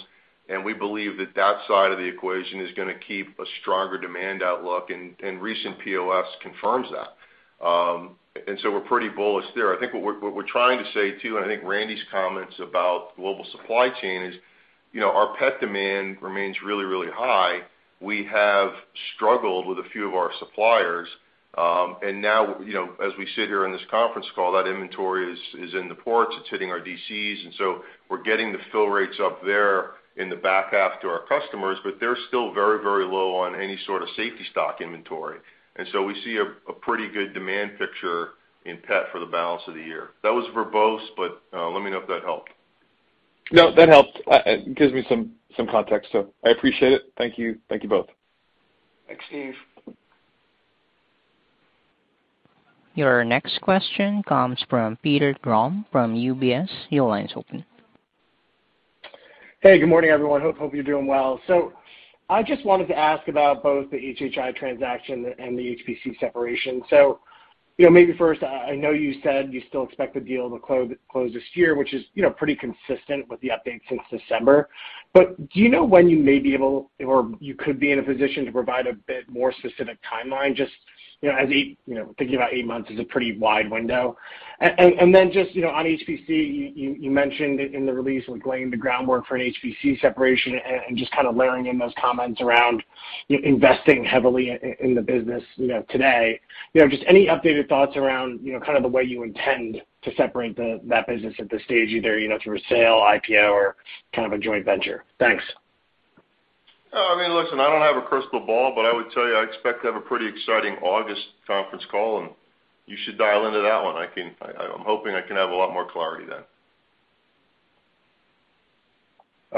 and we believe that that side of the equation is gonna keep a stronger demand outlook, and recent POS confirms that. We're pretty bullish there. I think what we're trying to say, too, and I think Randy's comments about global supply chain is, you know, our Pet demand remains really, really high. We have struggled with a few of our suppliers, and now, you know, as we sit here on this conference call, that inventory is in the ports. It's hitting our DCs, and so we're getting the fill rates up there in the back half to our customers, but they're still very, very low on any sort of safety stock inventory. We see a pretty good demand picture in Pet for the balance of the year. That was verbose, but let me know if that helped. No, that helped. It gives me some context. I appreciate it. Thank you. Thank you both. Thanks, Steve. Your next question comes from Peter Grom from UBS. Your line's open. Hey, good morning, everyone. Hope you're doing well. I just wanted to ask about both the HHI transaction and the HPC separation. You know, maybe first, I know you said you still expect the deal to close this year, which is, you know, pretty consistent with the update since December. But do you know when you may be able or you could be in a position to provide a bit more specific timeline, just, you know, thinking about eight months is a pretty wide window. And then just, you know, on HPC, you mentioned it in the release, laying the groundwork for an HPC separation and just kind of layering in those comments around, you know, investing heavily in the business, you know, today. You know, just any updated thoughts around, you know, kind of the way you intend to separate that business at this stage, either, you know, through a sale, IPO, or kind of a joint venture? Thanks. I mean, listen, I don't have a crystal ball, but I would tell you, I expect to have a pretty exciting August conference call, and you should dial into that one. I'm hoping I can have a lot more clarity then.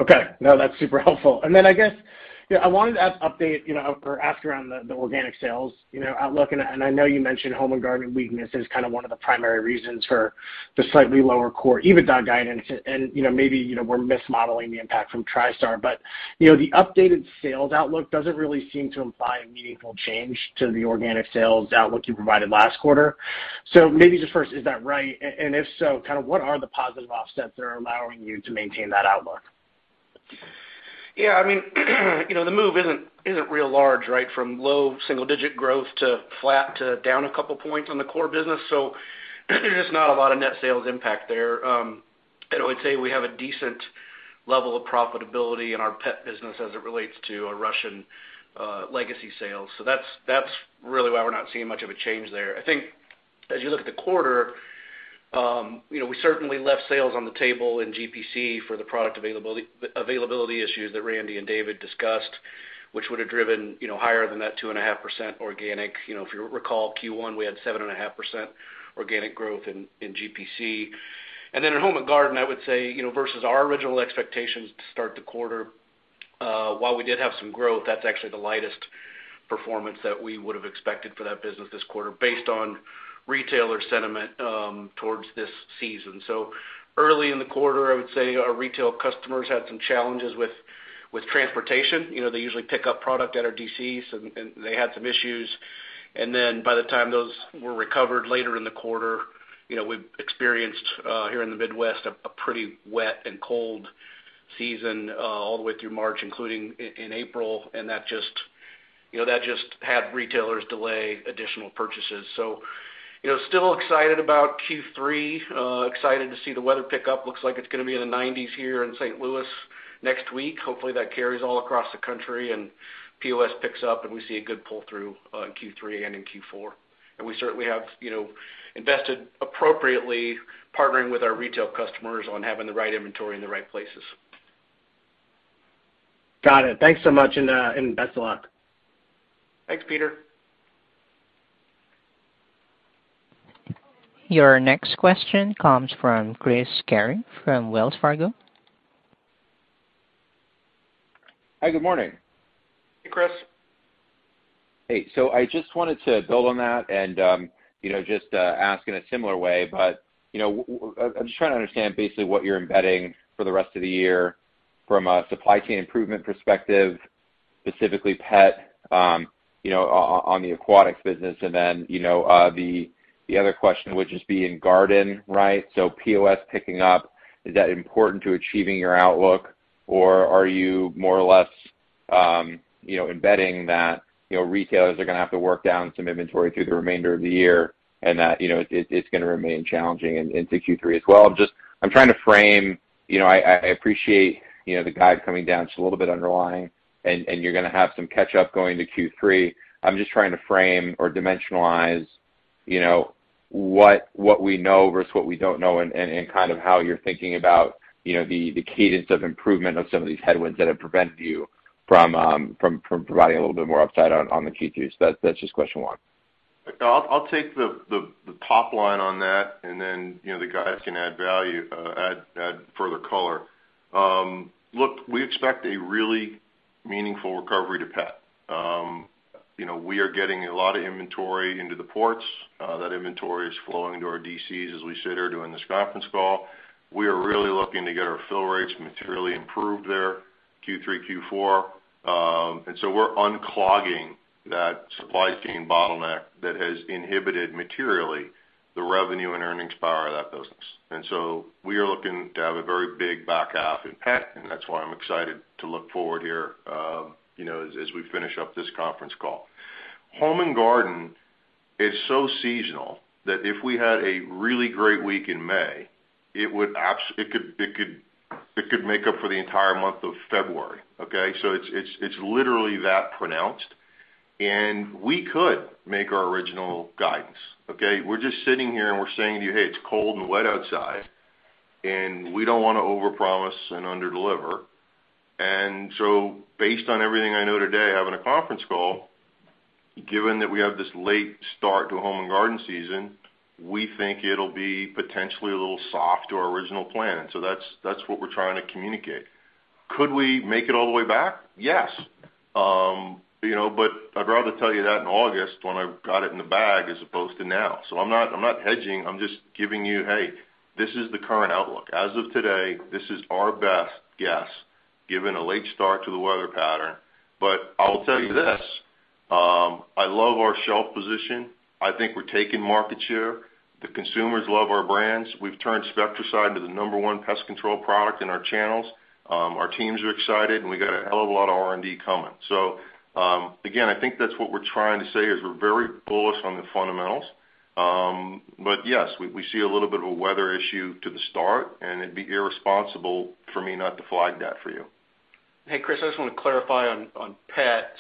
Okay. No, that's super helpful. Then I guess, you know, I wanted to ask for an update, you know, or ask about the organic sales, you know, outlook, and I know you mentioned Home and Garden weakness is kind of one of the primary reasons for the slightly lower core EBITDA guidance. You know, maybe, you know, we're mismodeling the impact from Tristar. The updated sales outlook doesn't really seem to imply a meaningful change to the organic sales outlook you provided last quarter. Maybe just first, is that right? And if so, kind of what are the positive offsets that are allowing you to maintain that outlook? Yeah. I mean, you know, the move isn't real large, right? From low single-digit growth to flat to down a couple points on the core business. There's not a lot of net sales impact there. I would say we have a decent level of profitability in our Pet business as it relates to our Russian legacy sales. That's really why we're not seeing much of a change there. I think as you look at the quarter, you know, we certainly left sales on the table in GPC for the product availability issues that Randy and David discussed, which would have driven, you know, higher than that 2.5% organic. You know, if you recall Q1, we had 7.5% organic growth in GPC. In Home and Garden, I would say, you know, versus our original expectations to start the quarter, while we did have some growth, that's actually the lightest performance that we would have expected for that business this quarter based on retailer sentiment towards this season. Early in the quarter, I would say our retail customers had some challenges with transportation. You know, they usually pick up product at our DCs, and they had some issues. Then by the time those were recovered later in the quarter, you know, we've experienced here in the Midwest a pretty wet and cold season all the way through March, including in April. And that just had retailers delay additional purchases. You know, still excited about Q3, excited to see the weather pick up. Looks like it's gonna be in the 90s% here in St. Louis next week. Hopefully, that carries all across the country and POS picks up, and we see a good pull-through in Q3 and in Q4. We certainly have, you know, invested appropriately partnering with our retail customers on having the right inventory in the right places. Got it. Thanks so much, and best of luck. Thanks, Peter. Your next question comes from Chris Carey from Wells Fargo. Hi, good morning. Hey, Chris. Hey. I just wanted to build on that and, you know, just ask in a similar way. You know, I'm just trying to understand basically what you're embedding for the rest of the year from a supply chain improvement perspective, specifically Pet, you know, on the aquatics business. Then, you know, the other question would just be in Garden, right? POS picking up, is that important to achieving your outlook, or are you more or less, you know, embedding that, you know, retailers are gonna have to work down some inventory through the remainder of the year and that, you know, it's gonna remain challenging into Q3 as well? I'm just trying to frame. You know, I appreciate, you know, the guide coming down just a little bit underlying and you're gonna have some catch-up going to Q3. I'm just trying to frame or dimensionalize, you know, what we know versus what we don't know and kind of how you're thinking about, you know, the cadence of improvement of some of these headwinds that have prevented you from from providing a little bit more upside on the Q3. So that's just question one. I'll take the top line on that, and then, you know, the guys can add value, add further color. Look, we expect a really meaningful recovery in Pet. You know, we are getting a lot of inventory into the ports. That inventory is flowing to our DCs as we sit here doing this conference call. We are really looking to get our fill rates materially improved there, Q3, Q4. We're unclogging that supply chain bottleneck that has inhibited materially the revenue and earnings power of that business. We are looking to have a very big back half in Pet, and that's why I'm excited to look forward here, you know, as we finish up this conference call. Home and Garden is so seasonal that if we had a really great week in May, it could make up for the entire month of February, okay? It's literally that pronounced, and we could make our original guidance, okay? We're just sitting here and we're saying to you, "Hey, it's cold and wet outside," and we don't wanna overpromise and underdeliver. Based on everything I know today having a conference call, given that we have this late start to Home and Garden season, we think it'll be potentially a little soft to our original plan. That's what we're trying to communicate. Could we make it all the way back? Yes. You know, I'd rather tell you that in August when I've got it in the bag as opposed to now. I'm not hedging. I'm just giving you, "Hey, this is the current outlook. As of today, this is our best guess, given a late start to the weather pattern." I will tell you this, I love our shelf position. I think we're taking market share. The consumers love our brands. We've turned Spectracide into the number one pest control product in our channels. Our teams are excited, and we got a hell of a lot of R&D coming. Again, I think that's what we're trying to say is we're very bullish on the fundamentals. Yes, we see a little bit of a weather issue to the start, and it'd be irresponsible for me not to flag that for you. Hey, Chris, I just wanna clarify on Pet.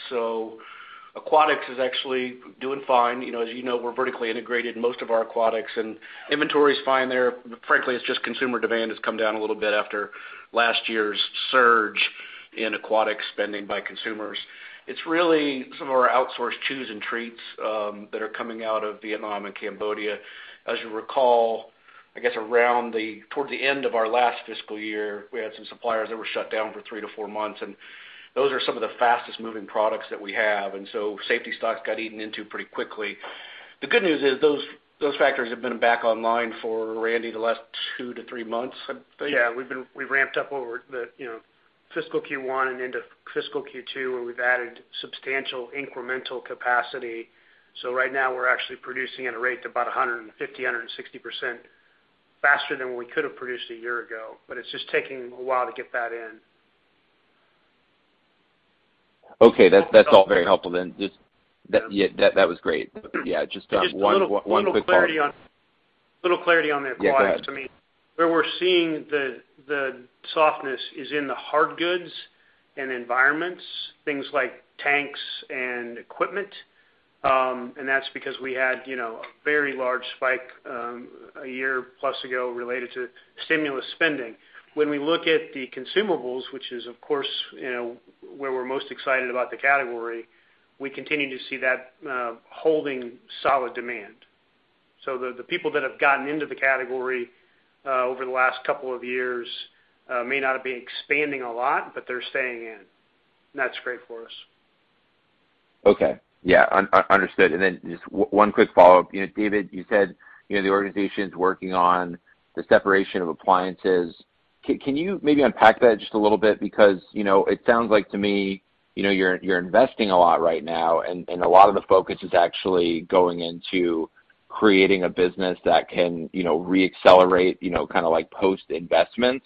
Aquatics is actually doing fine. You know, as you know, we're vertically integrated in most of our aquatics, and inventory is fine there. Frankly, it's just consumer demand has come down a little bit after last year's surge in aquatic spending by consumers. It's really some of our outsourced chews and treats that are coming out of Vietnam and Cambodia. As you recall, I guess, around toward the end of our last fiscal year, we had some suppliers that were shut down for three to four months, and those are some of the fastest moving products that we have, and so safety stocks got eaten into pretty quickly. The good news is those factories have been back online for, Randy, the last two to three months, I think. Yeah. We've ramped up over the, you know, fiscal Q1 and into fiscal Q2, where we've added substantial incremental capacity. Right now we're actually producing at a rate about 150%-160% faster than what we could have produced a year ago. It's just taking a while to get that in. Okay. That's all very helpful then. That, yeah, that was great. Yeah, just one quick follow-up. Just a little clarity on the aquatics. Yeah, go ahead. I mean, where we're seeing the softness is in the hard goods and environments, things like tanks and equipment, and that's because we had, you know, a very large spike, 1+ year ago related to stimulus spending. When we look at the consumables, which is, of course, you know, where we're most excited about the category, we continue to see that holding solid demand. The people that have gotten into the category over the last couple of years may not be expanding a lot, but they're staying in, and that's great for us. Understood. Then just one quick follow-up. You know, David, you said, you know, the organization's working on the separation of appliances. Can you maybe unpack that just a little bit? Because, you know, it sounds like to me, you know, you're investing a lot right now, and a lot of the focus is actually going into creating a business that can, you know, reaccelerate, you know, kinda like post investments.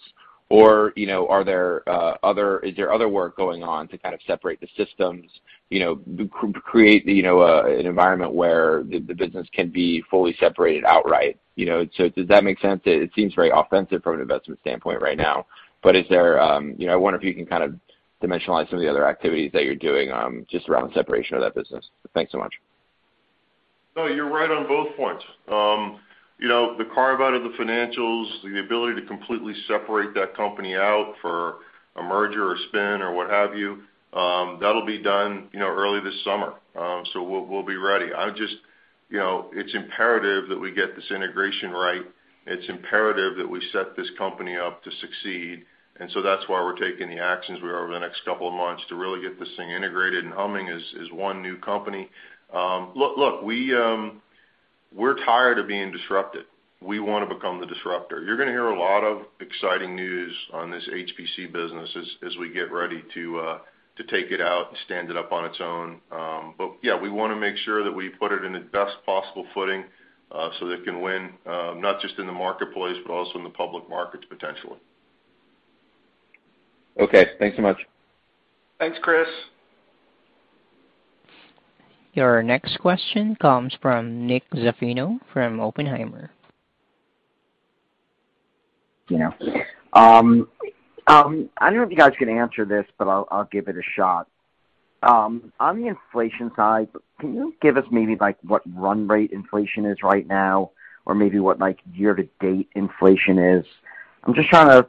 Or, you know, are there other, is there other work going on to kind of separate the systems, you know, to create, you know, an environment where the business can be fully separated outright, you know? Does that make sense? It seems very intensive from an investment standpoint right now. Is there... You know, I wonder if you can kind of dimensionalize some of the other activities that you're doing, just around the separation of that business. Thanks so much. No, you're right on both points. You know, the carve-out of the financials, the ability to completely separate that company out for a merger or spin or what have you, that'll be done, you know, early this summer. We'll be ready. You know, it's imperative that we get this integration right. It's imperative that we set this company up to succeed. That's why we're taking the actions we are over the next couple of months to really get this thing integrated and humming as one new company. Look, we're tired of being disrupted. We wanna become the disruptor. You're gonna hear a lot of exciting news on this HPC business as we get ready to take it out and stand it up on its own. Yeah, we wanna make sure that we put it in the best possible footing, so that it can win, not just in the marketplace, but also in the public markets potentially. Okay, thanks so much. Thanks, Chris. Your next question comes from Ian Zaffino from Oppenheimer. I don't know if you guys can answer this, but I'll give it a shot. On the inflation side, can you give us maybe, like, what run rate inflation is right now or maybe what, like, year-to-date inflation is? I'm just trying to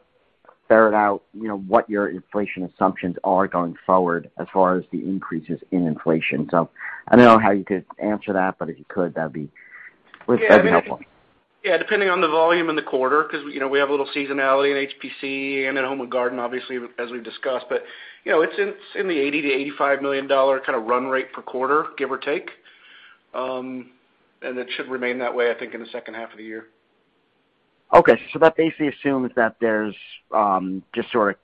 figure it out, you know, what your inflation assumptions are going forward as far as the increases in inflation. I don't know how you could answer that, but if you could, that'd be helpful. Yeah, depending on the volume in the quarter, 'cause, you know, we have a little seasonality in HPC and in Home and Garden, obviously, as we've discussed. You know, it's in the $80 million-$85 million kinda run rate per quarter, give or take. It should remain that way, I think, in the second half of the year. Okay, that basically assumes that there's just sort of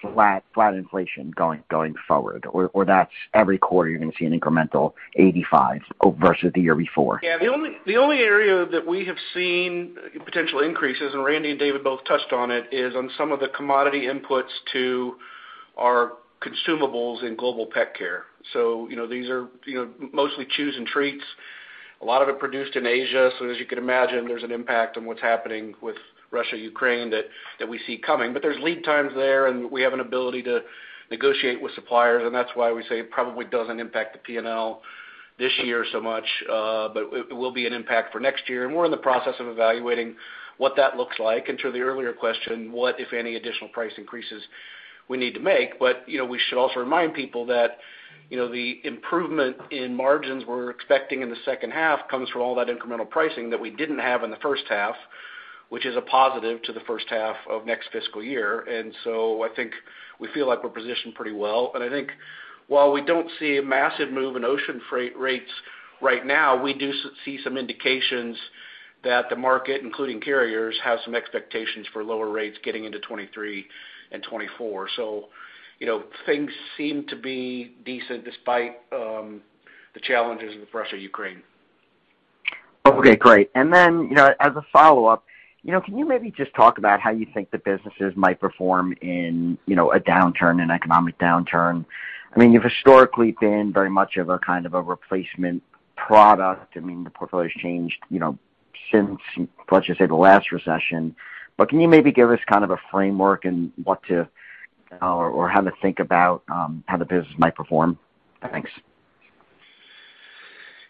flat inflation going forward, or that's every quarter you're gonna see an incremental $85 million versus the year before. Yeah. The only area that we have seen potential increases, and Randy and David both touched on it, is on some of the commodity inputs to our consumables in Global Pet Care. So, you know, these are, you know, mostly chews and treats. A lot of it produced in Asia, so as you can imagine, there's an impact on what's happening with Russia, Ukraine that we see coming. But there's lead times there, and we have an ability to negotiate with suppliers, and that's why we say it probably doesn't impact the P&L this year so much. But it will be an impact for next year. We're in the process of evaluating what that looks like, and to the earlier question, what, if any, additional price increases we need to make. You know, we should also remind people that, you know, the improvement in margins we're expecting in the second half comes from all that incremental pricing that we didn't have in the first half, which is a positive to the first half of next fiscal year. I think we feel like we're positioned pretty well. I think while we don't see a massive move in ocean freight rates right now, we do see some indications that the market, including carriers, have some expectations for lower rates getting into 2023 and 2024. You know, things seem to be decent despite the challenges with Russia-Ukraine. Okay, great. You know, as a follow-up, you know, can you maybe just talk about how you think the businesses might perform in, you know, a downturn, an economic downturn? I mean, you've historically been very much of a, kind of a replacement product. I mean, the portfolio's changed, you know, since, let's just say, the last recession. Can you maybe give us kind of a framework or how to think about how the business might perform? Thanks.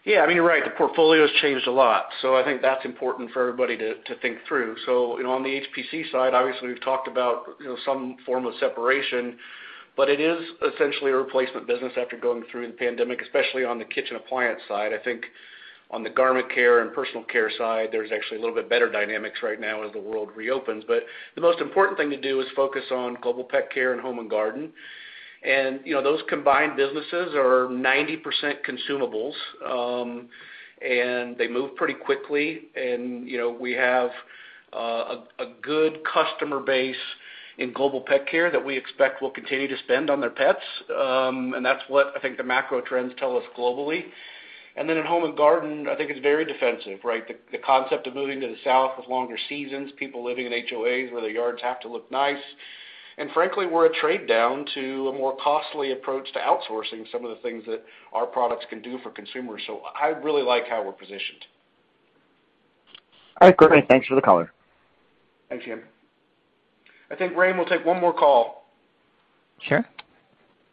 Yeah. I mean, you're right, the portfolio's changed a lot, so I think that's important for everybody to think through. You know, on the HPC side, obviously we've talked about, you know, some form of separation, but it is essentially a replacement business after going through the pandemic, especially on the kitchen appliance side. I think on the garment care and personal care side, there's actually a little bit better dynamics right now as the world reopens. The most important thing to do is focus on Global Pet Care and Home and Garden. You know, those combined businesses are 90% consumables, and they move pretty quickly. You know, we have a good customer base in Global Pet Care that we expect will continue to spend on their pets. And that's what I think the macro trends tell us globally. In Home and Garden, I think it's very defensive, right? The concept of moving to the South with longer seasons, people living in HOAs where their yards have to look nice. Frankly, we're a trade-down to a more costly approach to outsourcing some of the things that our products can do for consumers. I really like how we're positioned. All right, perfect. Thanks for the color. Thanks, Ian. I think, Rain, we'll take one more call. Sure.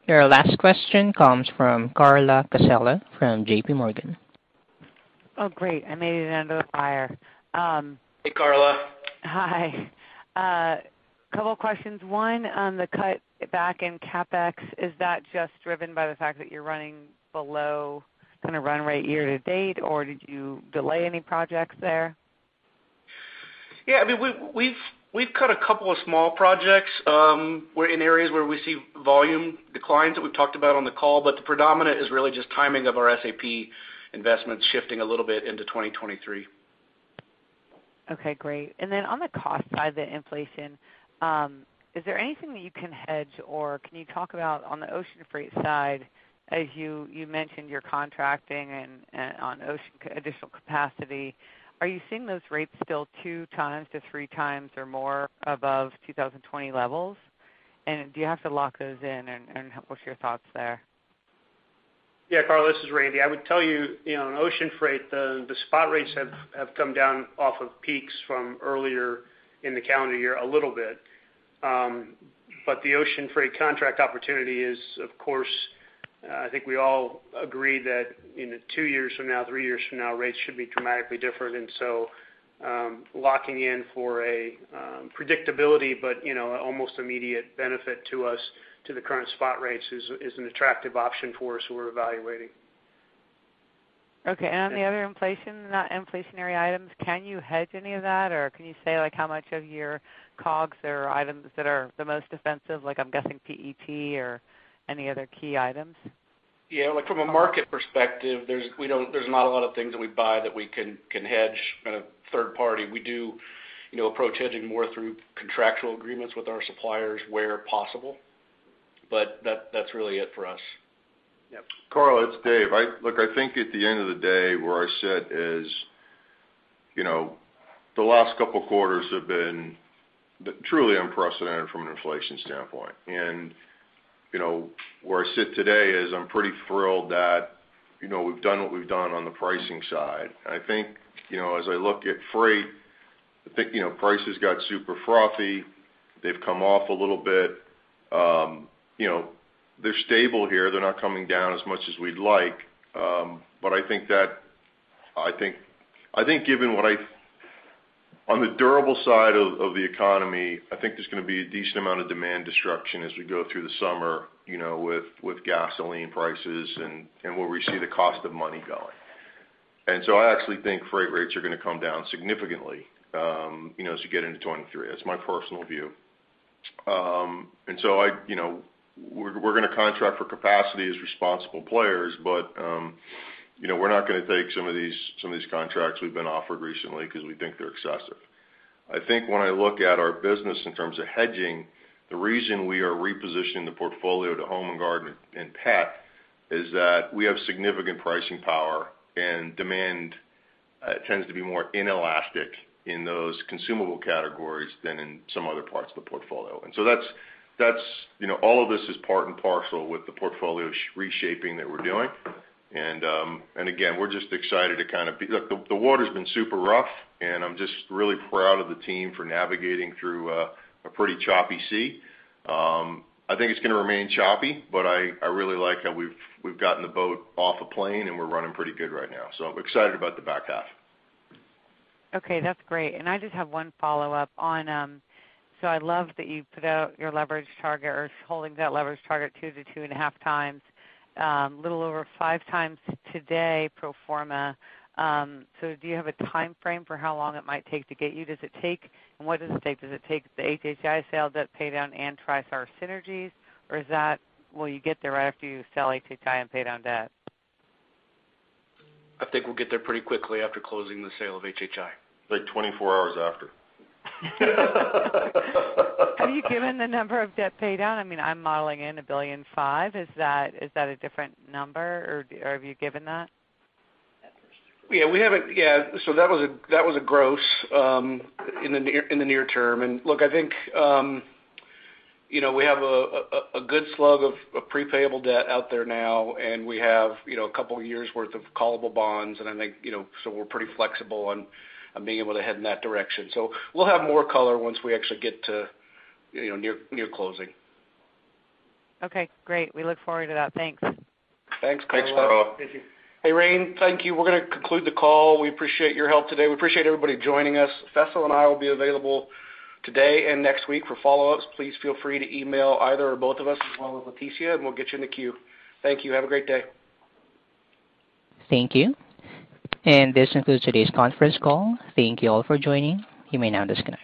Your last question comes from Carla Casella from JPMorgan. Oh, great. I made it into the fire. Hey, Carla. Hi. Couple questions. One on the cut back in CapEx. Is that just driven by the fact that you're running below kind of run rate year-to-date, or did you delay any projects there? Yeah. I mean, we've cut a couple of small projects in areas where we see volume declines that we've talked about on the call, but the predominant is really just timing of our SAP investments shifting a little bit into 2023. Okay. Great. Then on the cost side of the inflation, is there anything that you can hedge or can you talk about on the ocean freight side as you mentioned you're contracting and on ocean additional capacity, are you seeing those rates still 2x-3x or more above 2020 levels? Do you have to lock those in, and what's your thoughts there? Yeah, Carla, this is Randy. I would tell you know, on ocean freight, the spot rates have come down off of peaks from earlier in the calendar year a little bit. But the ocean freight contract opportunity is, of course, I think we all agree that in two years from now, three years from now, rates should be dramatically different. Locking in for a predictability, but, you know, almost immediate benefit to us to the current spot rates is an attractive option for us we're evaluating. Okay. On the other inflation, not inflationary items, can you hedge any of that or can you say like how much of your COGS or items that are the most defensive like I'm guessing PET or any other key items? Yeah. Like from a market perspective, there's not a lot of things that we buy that we can hedge kind of third party. We do, you know, approach hedging more through contractual agreements with our suppliers where possible, but that's really it for us. Carla, it's David. Look, I think at the end of the day, where I sit is, you know, the last couple quarters have been truly unprecedented from an inflation standpoint. You know, where I sit today is I'm pretty thrilled that, you know, we've done what we've done on the pricing side. I think, you know, as I look at freight, I think, you know, prices got super frothy. They've come off a little bit. You know, they're stable here. They're not coming down as much as we'd like. But I think on the durable side of the economy, I think there's gonna be a decent amount of demand destruction as we go through the summer, you know, with gasoline prices and where we see the cost of money going. I actually think freight rates are gonna come down significantly, you know, as you get into 2023. That's my personal view. I, you know, we're gonna contract for capacity as responsible players, but, you know, we're not gonna take some of these contracts we've been offered recently because we think they're excessive. I think when I look at our business in terms of hedging, the reason we are repositioning the portfolio to Home and Garden and Pet is that we have significant pricing power and demand tends to be more inelastic in those consumable categories than in some other parts of the portfolio. That's, you know, all of this is part and parcel with the portfolio reshaping that we're doing. Again, we're just excited to kind of be Look, the water's been super rough, and I'm just really proud of the team for navigating through a pretty choppy sea. I think it's gonna remain choppy, but I really like how we've gotten the boat off a plane and we're running pretty good right now. I'm excited about the back half. Okay, that's great. I just have one follow-up on. So I love that you put out your leverage target or holding that leverage target 2x-2.5x, a little over 5x today pro forma. So do you have a timeframe for how long it might take to get there? What does it take? Does it take the HHI sale, debt pay down and Tristar synergies, or is that, will you get there right after you sell HHI and pay down debt? I think we'll get there pretty quickly after closing the sale of HHI. Like 24 hours after. Have you given the number of debt pay down? I mean, I'm modeling in $1.5 billion. Is that a different number or have you given that? That was a guess in the near-term. Look, I think you know, we have a good slug of prepayable debt out there now, and we have you know, a couple years' worth of callable bonds. I think you know, we're pretty flexible on being able to head in that direction. We'll have more color once we actually get to near-closing. Okay, great. We look forward to that. Thanks. Thanks, Carla. Thanks, Carla. Hey, Rain, thank you. We're gonna conclude the call. We appreciate your help today. We appreciate everybody joining us. Faisal and I will be available today and next week for follow-ups. Please feel free to email either or both of us as well as Leticia, and we'll get you in the queue. Thank you. Have a great day. Thank you. This concludes today's conference call. Thank you all for joining. You may now disconnect.